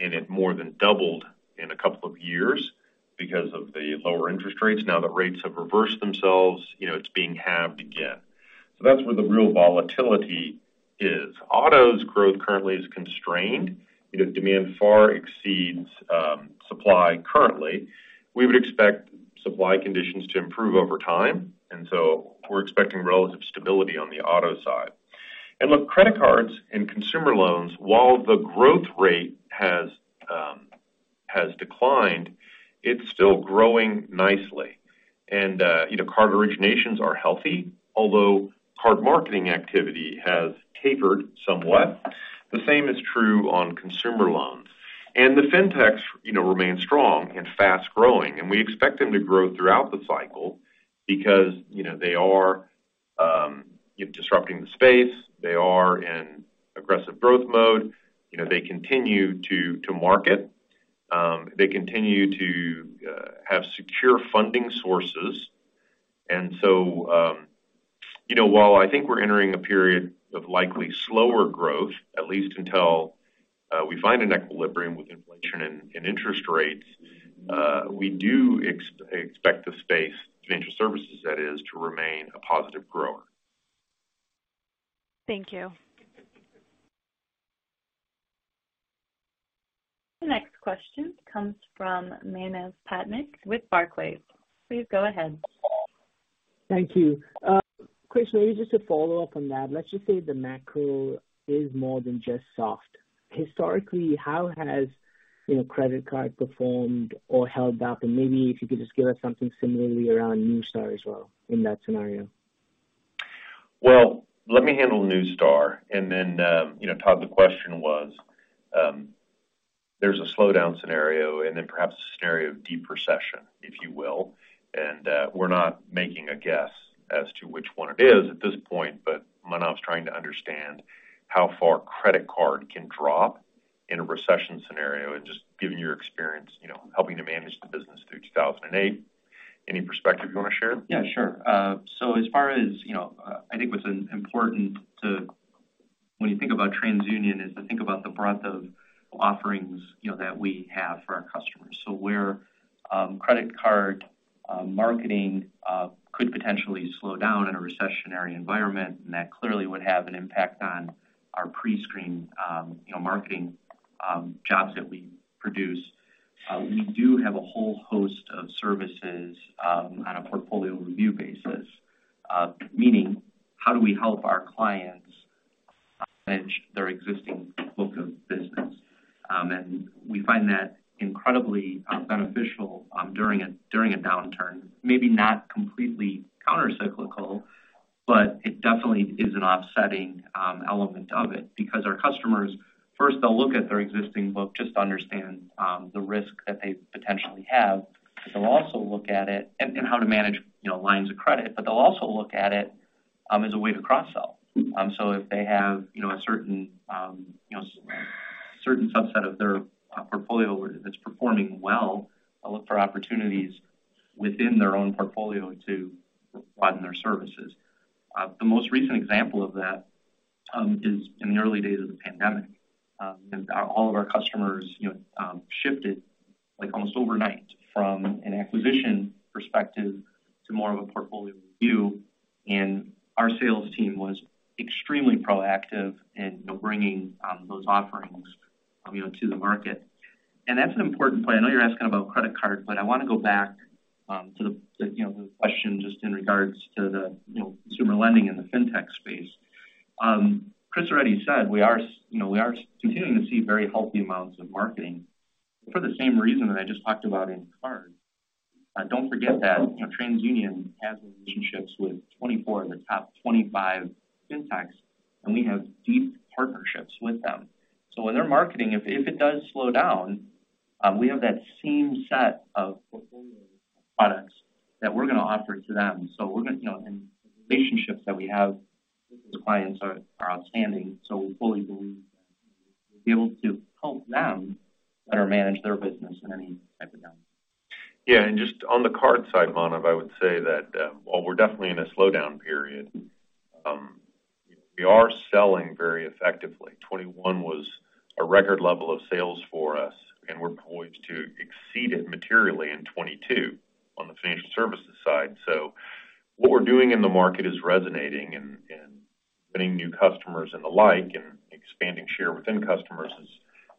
Speaker 3: and it more than doubled in a couple of years because of the lower interest rates. Now that rates have reversed themselves, you know, it's being halved again. That's where the real volatility is. Auto’s growth currently is constrained. You know, demand far exceeds supply currently. We would expect supply conditions to improve over time, and so we're expecting relative stability on the auto side. Look, credit cards and consumer loans, while the growth rate has declined, it's still growing nicely. You know, card originations are healthy, although card marketing activity has tapered somewhat. The same is true on consumer loans. The fintechs, you know, remain strong and fast-growing, and we expect them to grow throughout the cycle because, you know, they are disrupting the space. They are in aggressive growth mode. You know, they continue to market. They continue to have secure funding sources. You know, while I think we're entering a period of likely slower growth, at least until we find an equilibrium with inflation and interest rates, we do expect the space, financial services that is, to remain a positive grower.
Speaker 9: Thank you.
Speaker 1: The next question comes from Manav Patnaik with Barclays. Please go ahead.
Speaker 10: Thank you. Chris, maybe just to follow up on that. Let's just say the macro is more than just soft. Historically, how has, you know, credit card performed or held up? Maybe if you could just give us something similarly around Neustar as well in that scenario.
Speaker 3: Well, let me handle Neustar and then, you know, Todd, the question was, there's a slowdown scenario and then perhaps a scenario of deep recession, if you will. We're not making a guess as to which one it is at this point, but Manav's trying to understand how far credit card can drop in a recession scenario. Just given your experience, you know, helping to manage the business through 2008, any perspective you want to share?
Speaker 4: Yeah, sure. As far as, you know, I think what's important when you think about TransUnion is to think about the breadth of offerings, you know, that we have for our customers. Where credit card marketing could potentially slow down in a recessionary environment, and that clearly would have an impact on our pre-screen, you know, marketing jobs that we produce. We do have a whole host of services on a portfolio review basis. Meaning, how do we help our clients manage their existing book of business? We find that incredibly beneficial during a downturn, maybe not completely countercyclical, but it, definitely, is an offsetting element of it because our customers first they'll look at their existing book just to understand the risk that they potentially have. They'll also look at it and how to manage, you know, lines of credit. They'll also look at it as a way to cross-sell. So if they have, you know, a certain, you know, certain subset of their portfolio that's performing well, they'll look for opportunities within their own portfolio to widen their services. The most recent example of that is in the early days of the pandemic and all of our customers, you know, shifted like almost overnight from an acquisition perspective to more of a portfolio review. Our sales team was extremely proactive in, you know, bringing those offerings, you know, to the market. That's an important point. I know you're asking about credit card, but I wanna go back to the, you know, the question just in regards to the, you know, consumer lending in the fintech space. Chris already said we are continuing to see very healthy amounts of marketing for the same reason that I just talked about in card. Don't forget that, you know, TransUnion has relationships with 24 of the top 25 fintechs, and we have deep partnerships with them. So when they're marketing, if it does slow down, we have that same set of portfolio products that we're gonna offer to them. We're gonna, you know, the relationships that we have with those clients are outstanding, so we fully believe that we'll be able to help them better manage their business in any type of downturn.
Speaker 3: Yeah. Just on the card side, Manav, I would say that while we're definitely in a slowdown period, we are selling very effectively. 2021 was a record level of sales for us, and we're poised to exceed it materially in 2022 on the financial services side. What we're doing in the market is resonating and getting new customers and the like, and expanding share within customers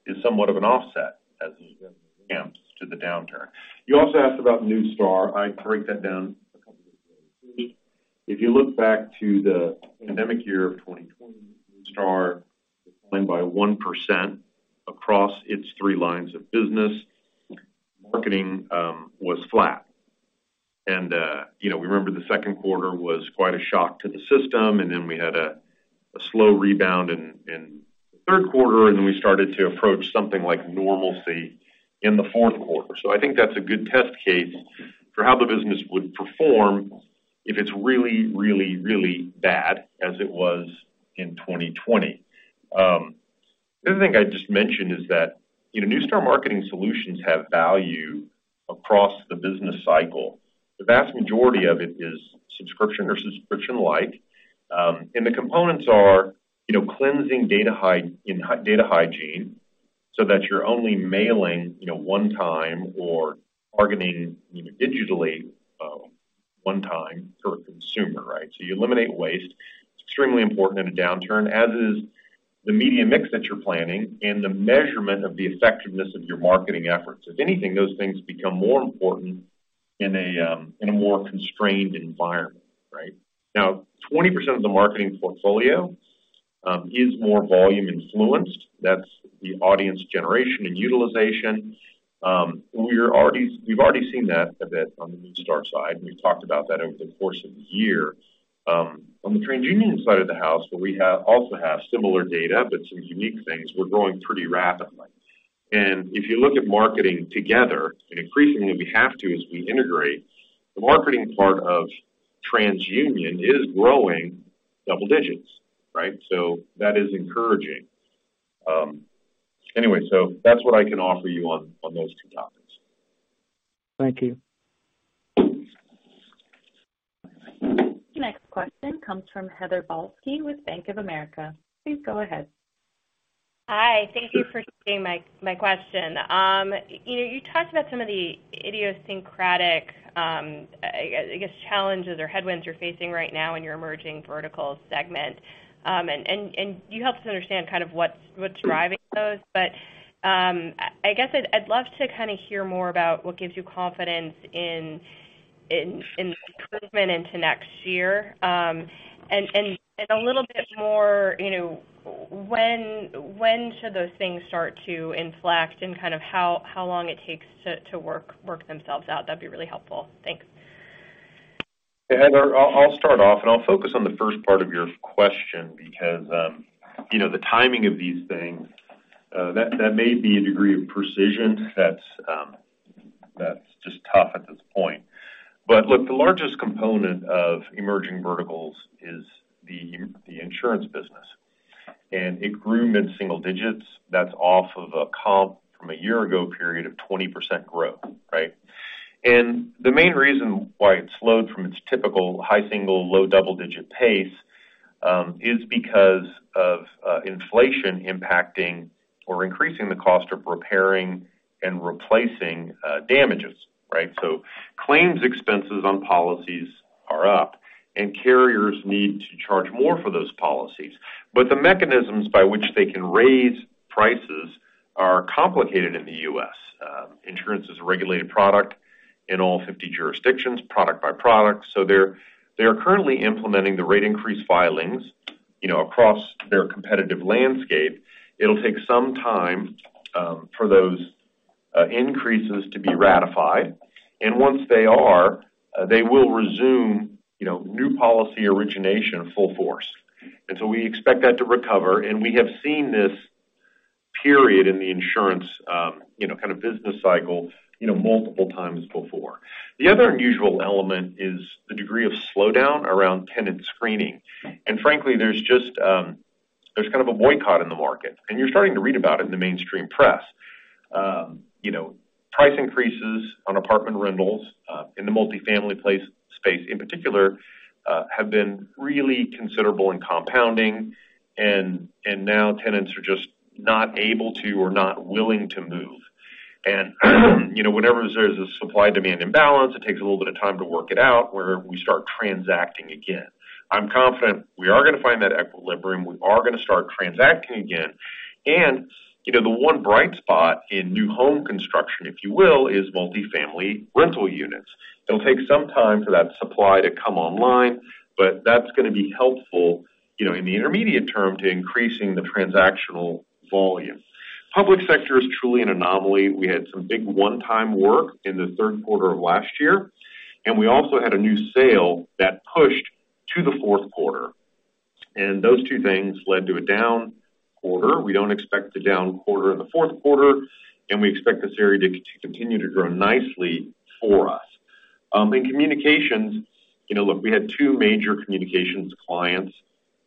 Speaker 3: is somewhat of an offset as it pans to the downturn. You also asked about Neustar. I'd break that down a couple of different ways. If you look back to the pandemic year of 2020, Neustar declined by 1% across its three lines of business. Marketing was flat. You know, we remember the second quarter was quite a shock to the system, and then we had a slow rebound in the third quarter, and then we started to approach something like normalcy in the fourth quarter. I think that's a good test case for how the business would perform if it's really bad as it was in 2020. The other thing I'd just mention is that, you know, Neustar marketing solutions have value across the business cycle. The vast majority of it is subscription or subscription-like. The components are, you know, cleansing data hygiene so that you're only mailing, you know, one time or targeting, you know, digitally, one time per consumer, right? You eliminate waste. It's extremely important in a downturn, as is the media mix that you're planning and the measurement of the effectiveness of your marketing efforts. If anything, those things become more important in a more constrained environment, right? Now, 20% of the marketing portfolio is more volume influenced. That's the audience generation and utilization. We've already seen that a bit on the Neustar side, and we've talked about that over the course of the year. On the TransUnion side of the house, where we also have similar data but some unique things, we're growing pretty rapidly. If you look at marketing together, and increasingly we have to as we integrate, the marketing part of TransUnion is growing double digits, right? That is encouraging. Anyway, that's what I can offer you on those two topics.
Speaker 10: Thank you.
Speaker 1: The next question comes from Heather Balsky with Bank of America. Please go ahead.
Speaker 11: Hi. Thank you for taking my question. You know, you talked about some of the idiosyncratic, I guess, challenges or headwinds you're facing right now in your emerging vertical segment. You helped us understand kind of what's driving those. I guess, I'd love to kinda hear more about what gives you confidence in the improvement into next year. A little bit more, you know, when should those things start to inflect and kind of how long it takes to work themselves out? That'd be really helpful. Thanks.
Speaker 3: Hey, Heather. I'll start off, and I'll focus on the first part of your question because you know, the timing of these things, that may be a degree of precision that's just tough at this point. Look, the largest component of emerging verticals is the insurance business. It grew mid-single digits. That's off of a comp from a year ago period of 20% growth, right? The main reason why it slowed from its typical high single, low double-digit pace is because of inflation impacting or increasing the cost of repairing and replacing damages, right? Claims expenses on policies are up, and carriers need to charge more for those policies. The mechanisms by which they can raise prices are complicated in the U.S. Insurance is a regulated product in all 50 jurisdictions, product by product. They are currently implementing the rate increase filings, you know, across their competitive landscape. It'll take some time for those increases to be ratified. Once they are, they will resume, you know, new policy origination in full force. We expect that to recover, and we have seen this period in the insurance, you know, kind of business cycle, you know, multiple times before. The other unusual element is the degree of slowdown around tenant screening. Frankly, there's just kind of a boycott in the market, and you're starting to read about it in the mainstream press. You know, price increases on apartment rentals in the multifamily space in particular have been really considerable and compounding, and now tenants are just not able to or not willing to move. You know, whenever there's a supply-demand imbalance, it takes a little bit of time to work it out where we start transacting again. I'm confident we are gonna find that equilibrium. We are gonna start transacting again. You know, the one bright spot in new home construction, if you will, is multifamily rental units. It'll take some time for that supply to come online, but that's gonna be helpful, you know, in the intermediate term to increasing the transactional volume. Public sector is truly an anomaly. We had some big one-time work in the third quarter of last year, and we also had a new sale that pushed to the fourth quarter. Those two things led to a down quarter. We don't expect the down quarter in the fourth quarter, and we expect this area to continue to grow nicely for us. In communications, you know, look, we had two major communications clients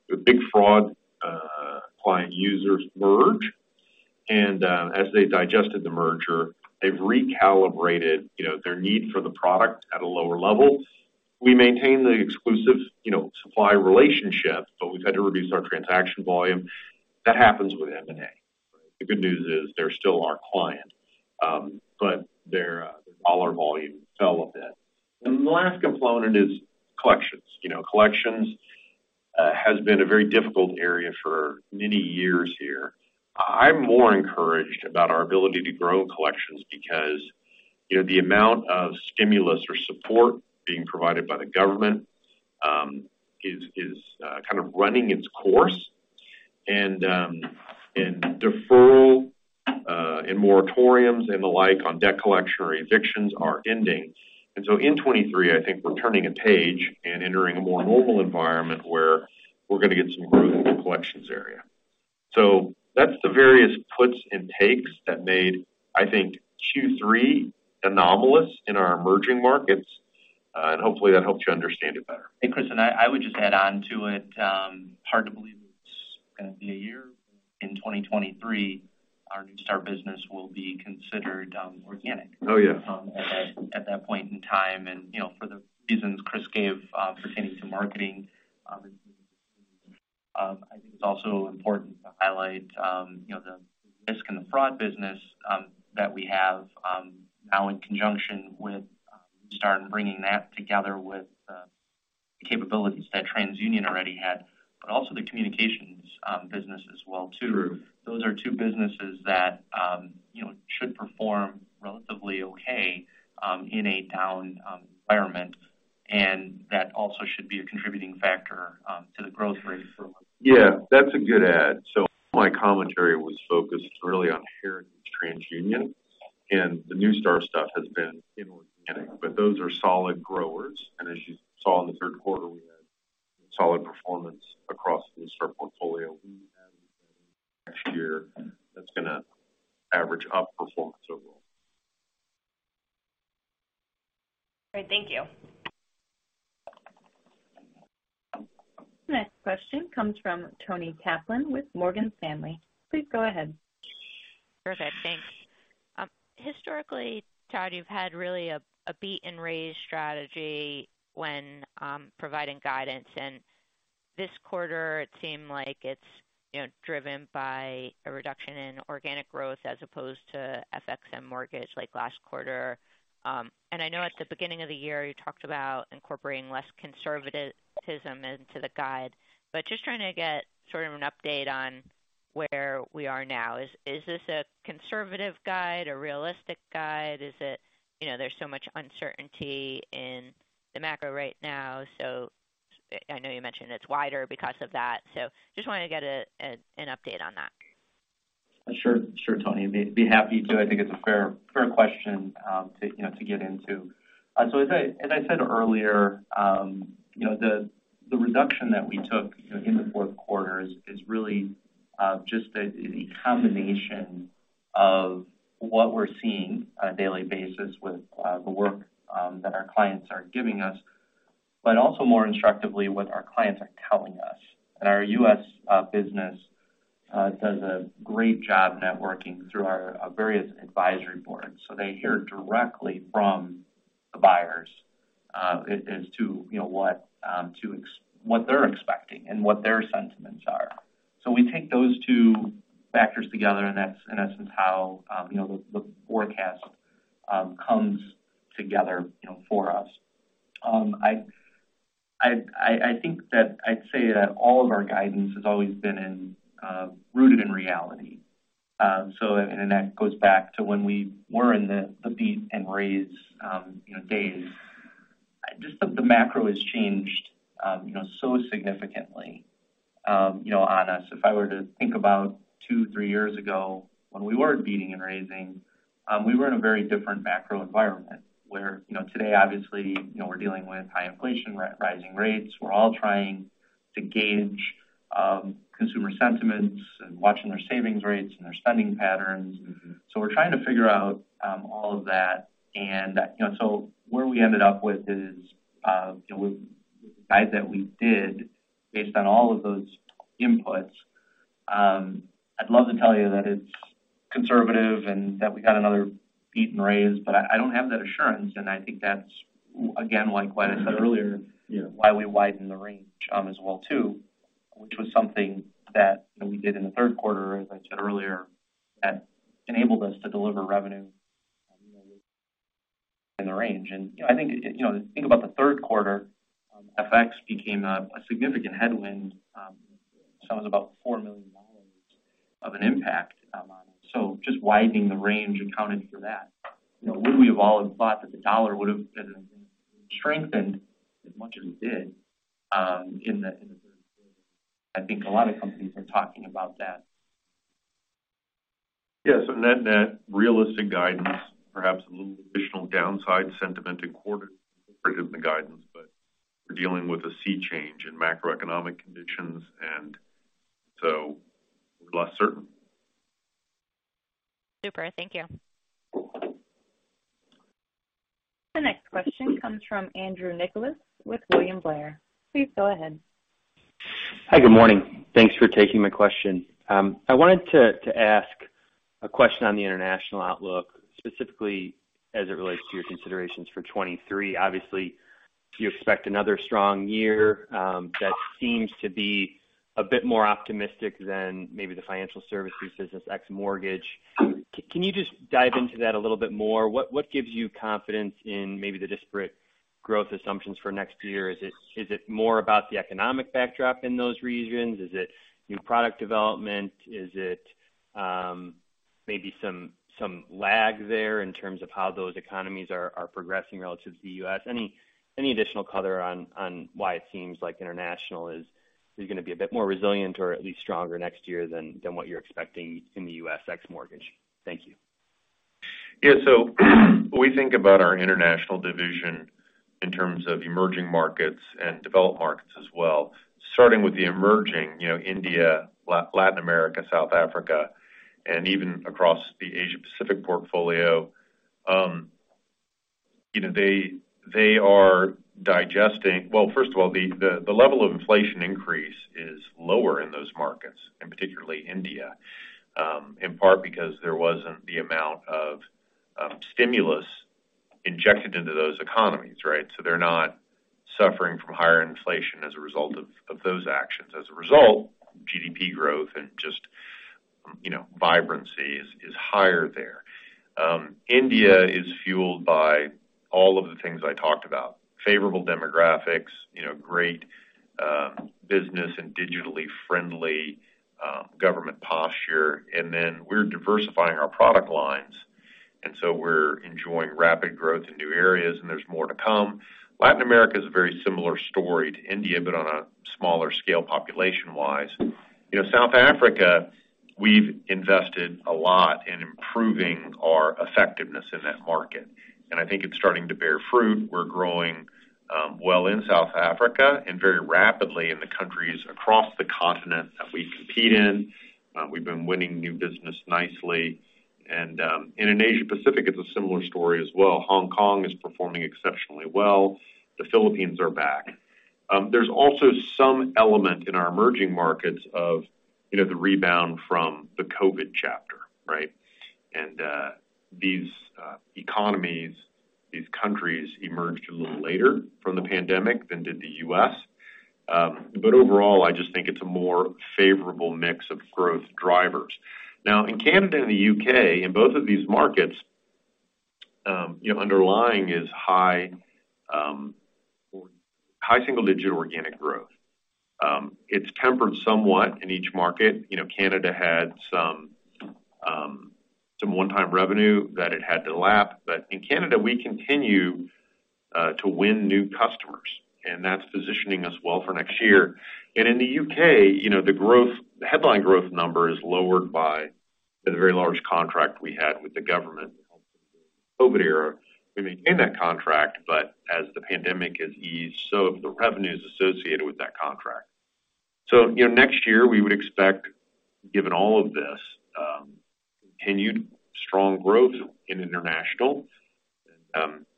Speaker 3: with big fraud client users merge. As they digested the merger, they've recalibrated, you know, their need for the product at a lower level. We maintain the exclusive, you know, supply relationship, but we've had to reduce our transaction volume. That happens with M&A. The good news is they're still our client, but their dollar volume fell a bit. The last component is collections. You know, collections has been a very difficult area for many years here. I'm more encouraged about our ability to grow in collections because, you know, the amount of stimulus or support being provided by the government is kind of running its course. Deferrals and moratoriums and the like on debt collection or evictions are ending. In 2023, I think we're turning a page and entering a more normal environment where we're gonna get some growth in the collections area. That's the various puts and takes that made, I think, Q3 anomalous in our emerging markets. Hopefully that helps you understand it better.
Speaker 4: Hey, Chris. I would just add on to it. Hard to believe it's gonna be a year in 2023. Our Neustar business will be considered organic.
Speaker 3: Oh, yeah.
Speaker 4: At that point in time. You know, for the reasons Chris gave, pertaining to marketing, I think it's also important to highlight, you know, the risk in the fraud business, that we have now in conjunction with Neustar and bringing that together with the capabilities that TransUnion already had, but also the communications business as well, too.
Speaker 3: True.
Speaker 4: Those are two businesses that, you know, should perform relatively okay, in a down environment, and that also should be a contributing factor to the growth rate.
Speaker 3: Yeah, that's a good add. My commentary was focused really on heritage TransUnion, and the Neustar stuff has been inorganic. Those are solid growers. As you saw in the third quarter, we had solid performance across the Neustar portfolio. We add that in next year, that's gonna average up performance overall.
Speaker 11: Great. Thank you.
Speaker 1: Next question comes from Toni Kaplan with Morgan Stanley. Please go ahead.
Speaker 12: Perfect. Thanks. Historically, Todd, you've had really a beat and raise strategy when providing guidance, and this quarter it seemed like it's, you know, driven by a reduction in organic growth as opposed to FX and mortgage like last quarter. I know at the beginning of the year, you talked about incorporating less conservatism into the guide, but just trying to get sort of an update on where we are now. Is this a conservative guide, a realistic guide? Is it? You know, there's so much uncertainty in the macro right now, so I know you mentioned it's wider because of that, so just wanted to get an update on that.
Speaker 4: Sure, Toni. Be happy to. I think it's a fair question, you know, to get into. So as I said earlier, you know, the reduction that we took in the fourth quarter is really just the combination of what we're seeing on a daily basis with the work that our clients are giving us, but also more instructively what our clients are telling us. Our U.S. business does a great job networking through our various advisory boards. So they hear directly from the buyers as to you know what they're expecting and what their sentiments are. So we take those two factors together, and that's in essence how you know the forecast comes together for us. I think that, I'd say that all of our guidance has always been rooted in reality. That goes back to when we were in the beat and raise, you know, days. Just the macro has changed, you know, so significantly, you know, on us. If I were to think about two, three years ago when we were beating and raising, we were in a very different macro environment. Whereas, you know, today obviously, you know, we're dealing with high inflation rising rates. We're all trying to gauge consumer sentiments and watching their savings rates and their spending patterns. We're trying to figure out all of that. You know, so where we ended up with is you know, with the guide that we did based on all of those inputs, I'd love to tell you that it's conservative and that we got another beat and raise, but I don't have that assurance. I think that's again like I said earlier.
Speaker 3: Yeah
Speaker 4: Why we widened the range, as well, too. Which was something that, you know, we did in the third quarter, as I said earlier, that enabled us to deliver revenue in the range. I think, you know, think about the third quarter, FX became a significant headwind, sum of about $4 million of an impact on us. Just widening the range accounted for that. You know, would we have all thought that the dollar would have been strengthened as much as it did, in the third quarter? I think a lot of companies are talking about that.
Speaker 3: Yes. Net-net realistic guidance, perhaps a little additional downside sentiment in quarter for the guidance, but we're dealing with a sea change in macroeconomic conditions, and so less certain.
Speaker 12: Super. Thank you.
Speaker 1: The next question comes from Andrew Nicholas with William Blair. Please go ahead.
Speaker 13: Hi, good morning. Thanks for taking my question. I wanted to ask a question on the international outlook, specifically as it relates to your considerations for 2023. Obviously, you expect another strong year that seems to be a bit more optimistic than maybe the financial services business ex-mortgage. Can you just dive into that a little bit more? What gives you confidence in maybe the disparate growth assumptions for next year? Is it more about the economic backdrop in those regions? Is it new product development? Is it maybe some lag there in terms of how those economies are progressing relative to the U.S.? Any additional color on why it seems like international is gonna be a bit more resilient or at least stronger next year than what you're expecting in the U.S. ex-mortgage? Thank you.
Speaker 3: Yeah, we think about our international division in terms of emerging markets and developed markets as well. Starting with the emerging, you know, India, Latin America, South Africa, and even across the Asia-Pacific portfolio. First of all, the level of inflation increase is lower in those markets, and particularly India, in part because there wasn't the amount of stimulus injected into those economies, right? So they're not suffering from higher inflation as a result of those actions. As a result, GDP growth and just, you know, vibrancy is higher there. India is fueled by all of the things I talked about. Favorable demographics, you know, great, business and digitally friendly government posture. Then we're diversifying our product lines, and so we're enjoying rapid growth in new areas, and there's more to come. Latin America is a very similar story to India, but on a smaller scale, population-wise. You know, South Africa, we've invested a lot in improving our effectiveness in that market, and I think it's starting to bear fruit. We're growing, well in South Africa and very rapidly in the countries across the continent that we compete in. We've been winning new business nicely. In Asia-Pacific, it's a similar story as well. Hong Kong is performing exceptionally well. The Philippines are back. There's also some element in our emerging markets of, you know, the rebound from the COVID chapter, right? These economies, these countries emerged a little later from the pandemic than did the U.S. Overall, I just think it's a more favorable mix of growth drivers. Now, in Canada and the U.K., in both of these markets, you know, underlying is high, high single-digit organic growth. It's tempered somewhat in each market. You know, Canada had some one-time revenue that it had to lap. In Canada, we continue to win new customers, and that's positioning us well for next year. In the U.K., you know, the growth, the headline growth number is lowered by the very large contract we had with the government during the COVID era. We maintained that contract, but as the pandemic has eased, so have the revenues associated with that contract. Next year, we would expect, given all of this, continued strong growth in international.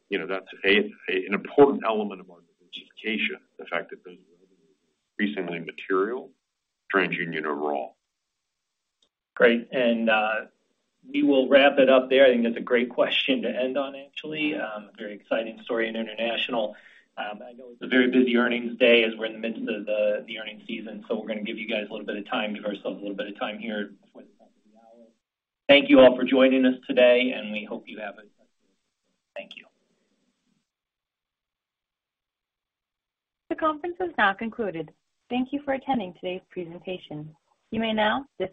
Speaker 3: You know, that's an important element of our diversification, the fact that those revenues are increasingly material to TransUnion overall.
Speaker 2: Great. We will wrap it up there. I think that's a great question to end on, actually. A very exciting story in international. I know it's a very busy earnings day as we're in the midst of the earnings season, so we're gonna give you guys a little bit of time, give ourselves a little bit of time here before the top of the hour. Thank you all for joining us today, and we hope you have a good day. Thank you.
Speaker 1: The conference is now concluded. Thank you for attending today's presentation. You may now disconnect.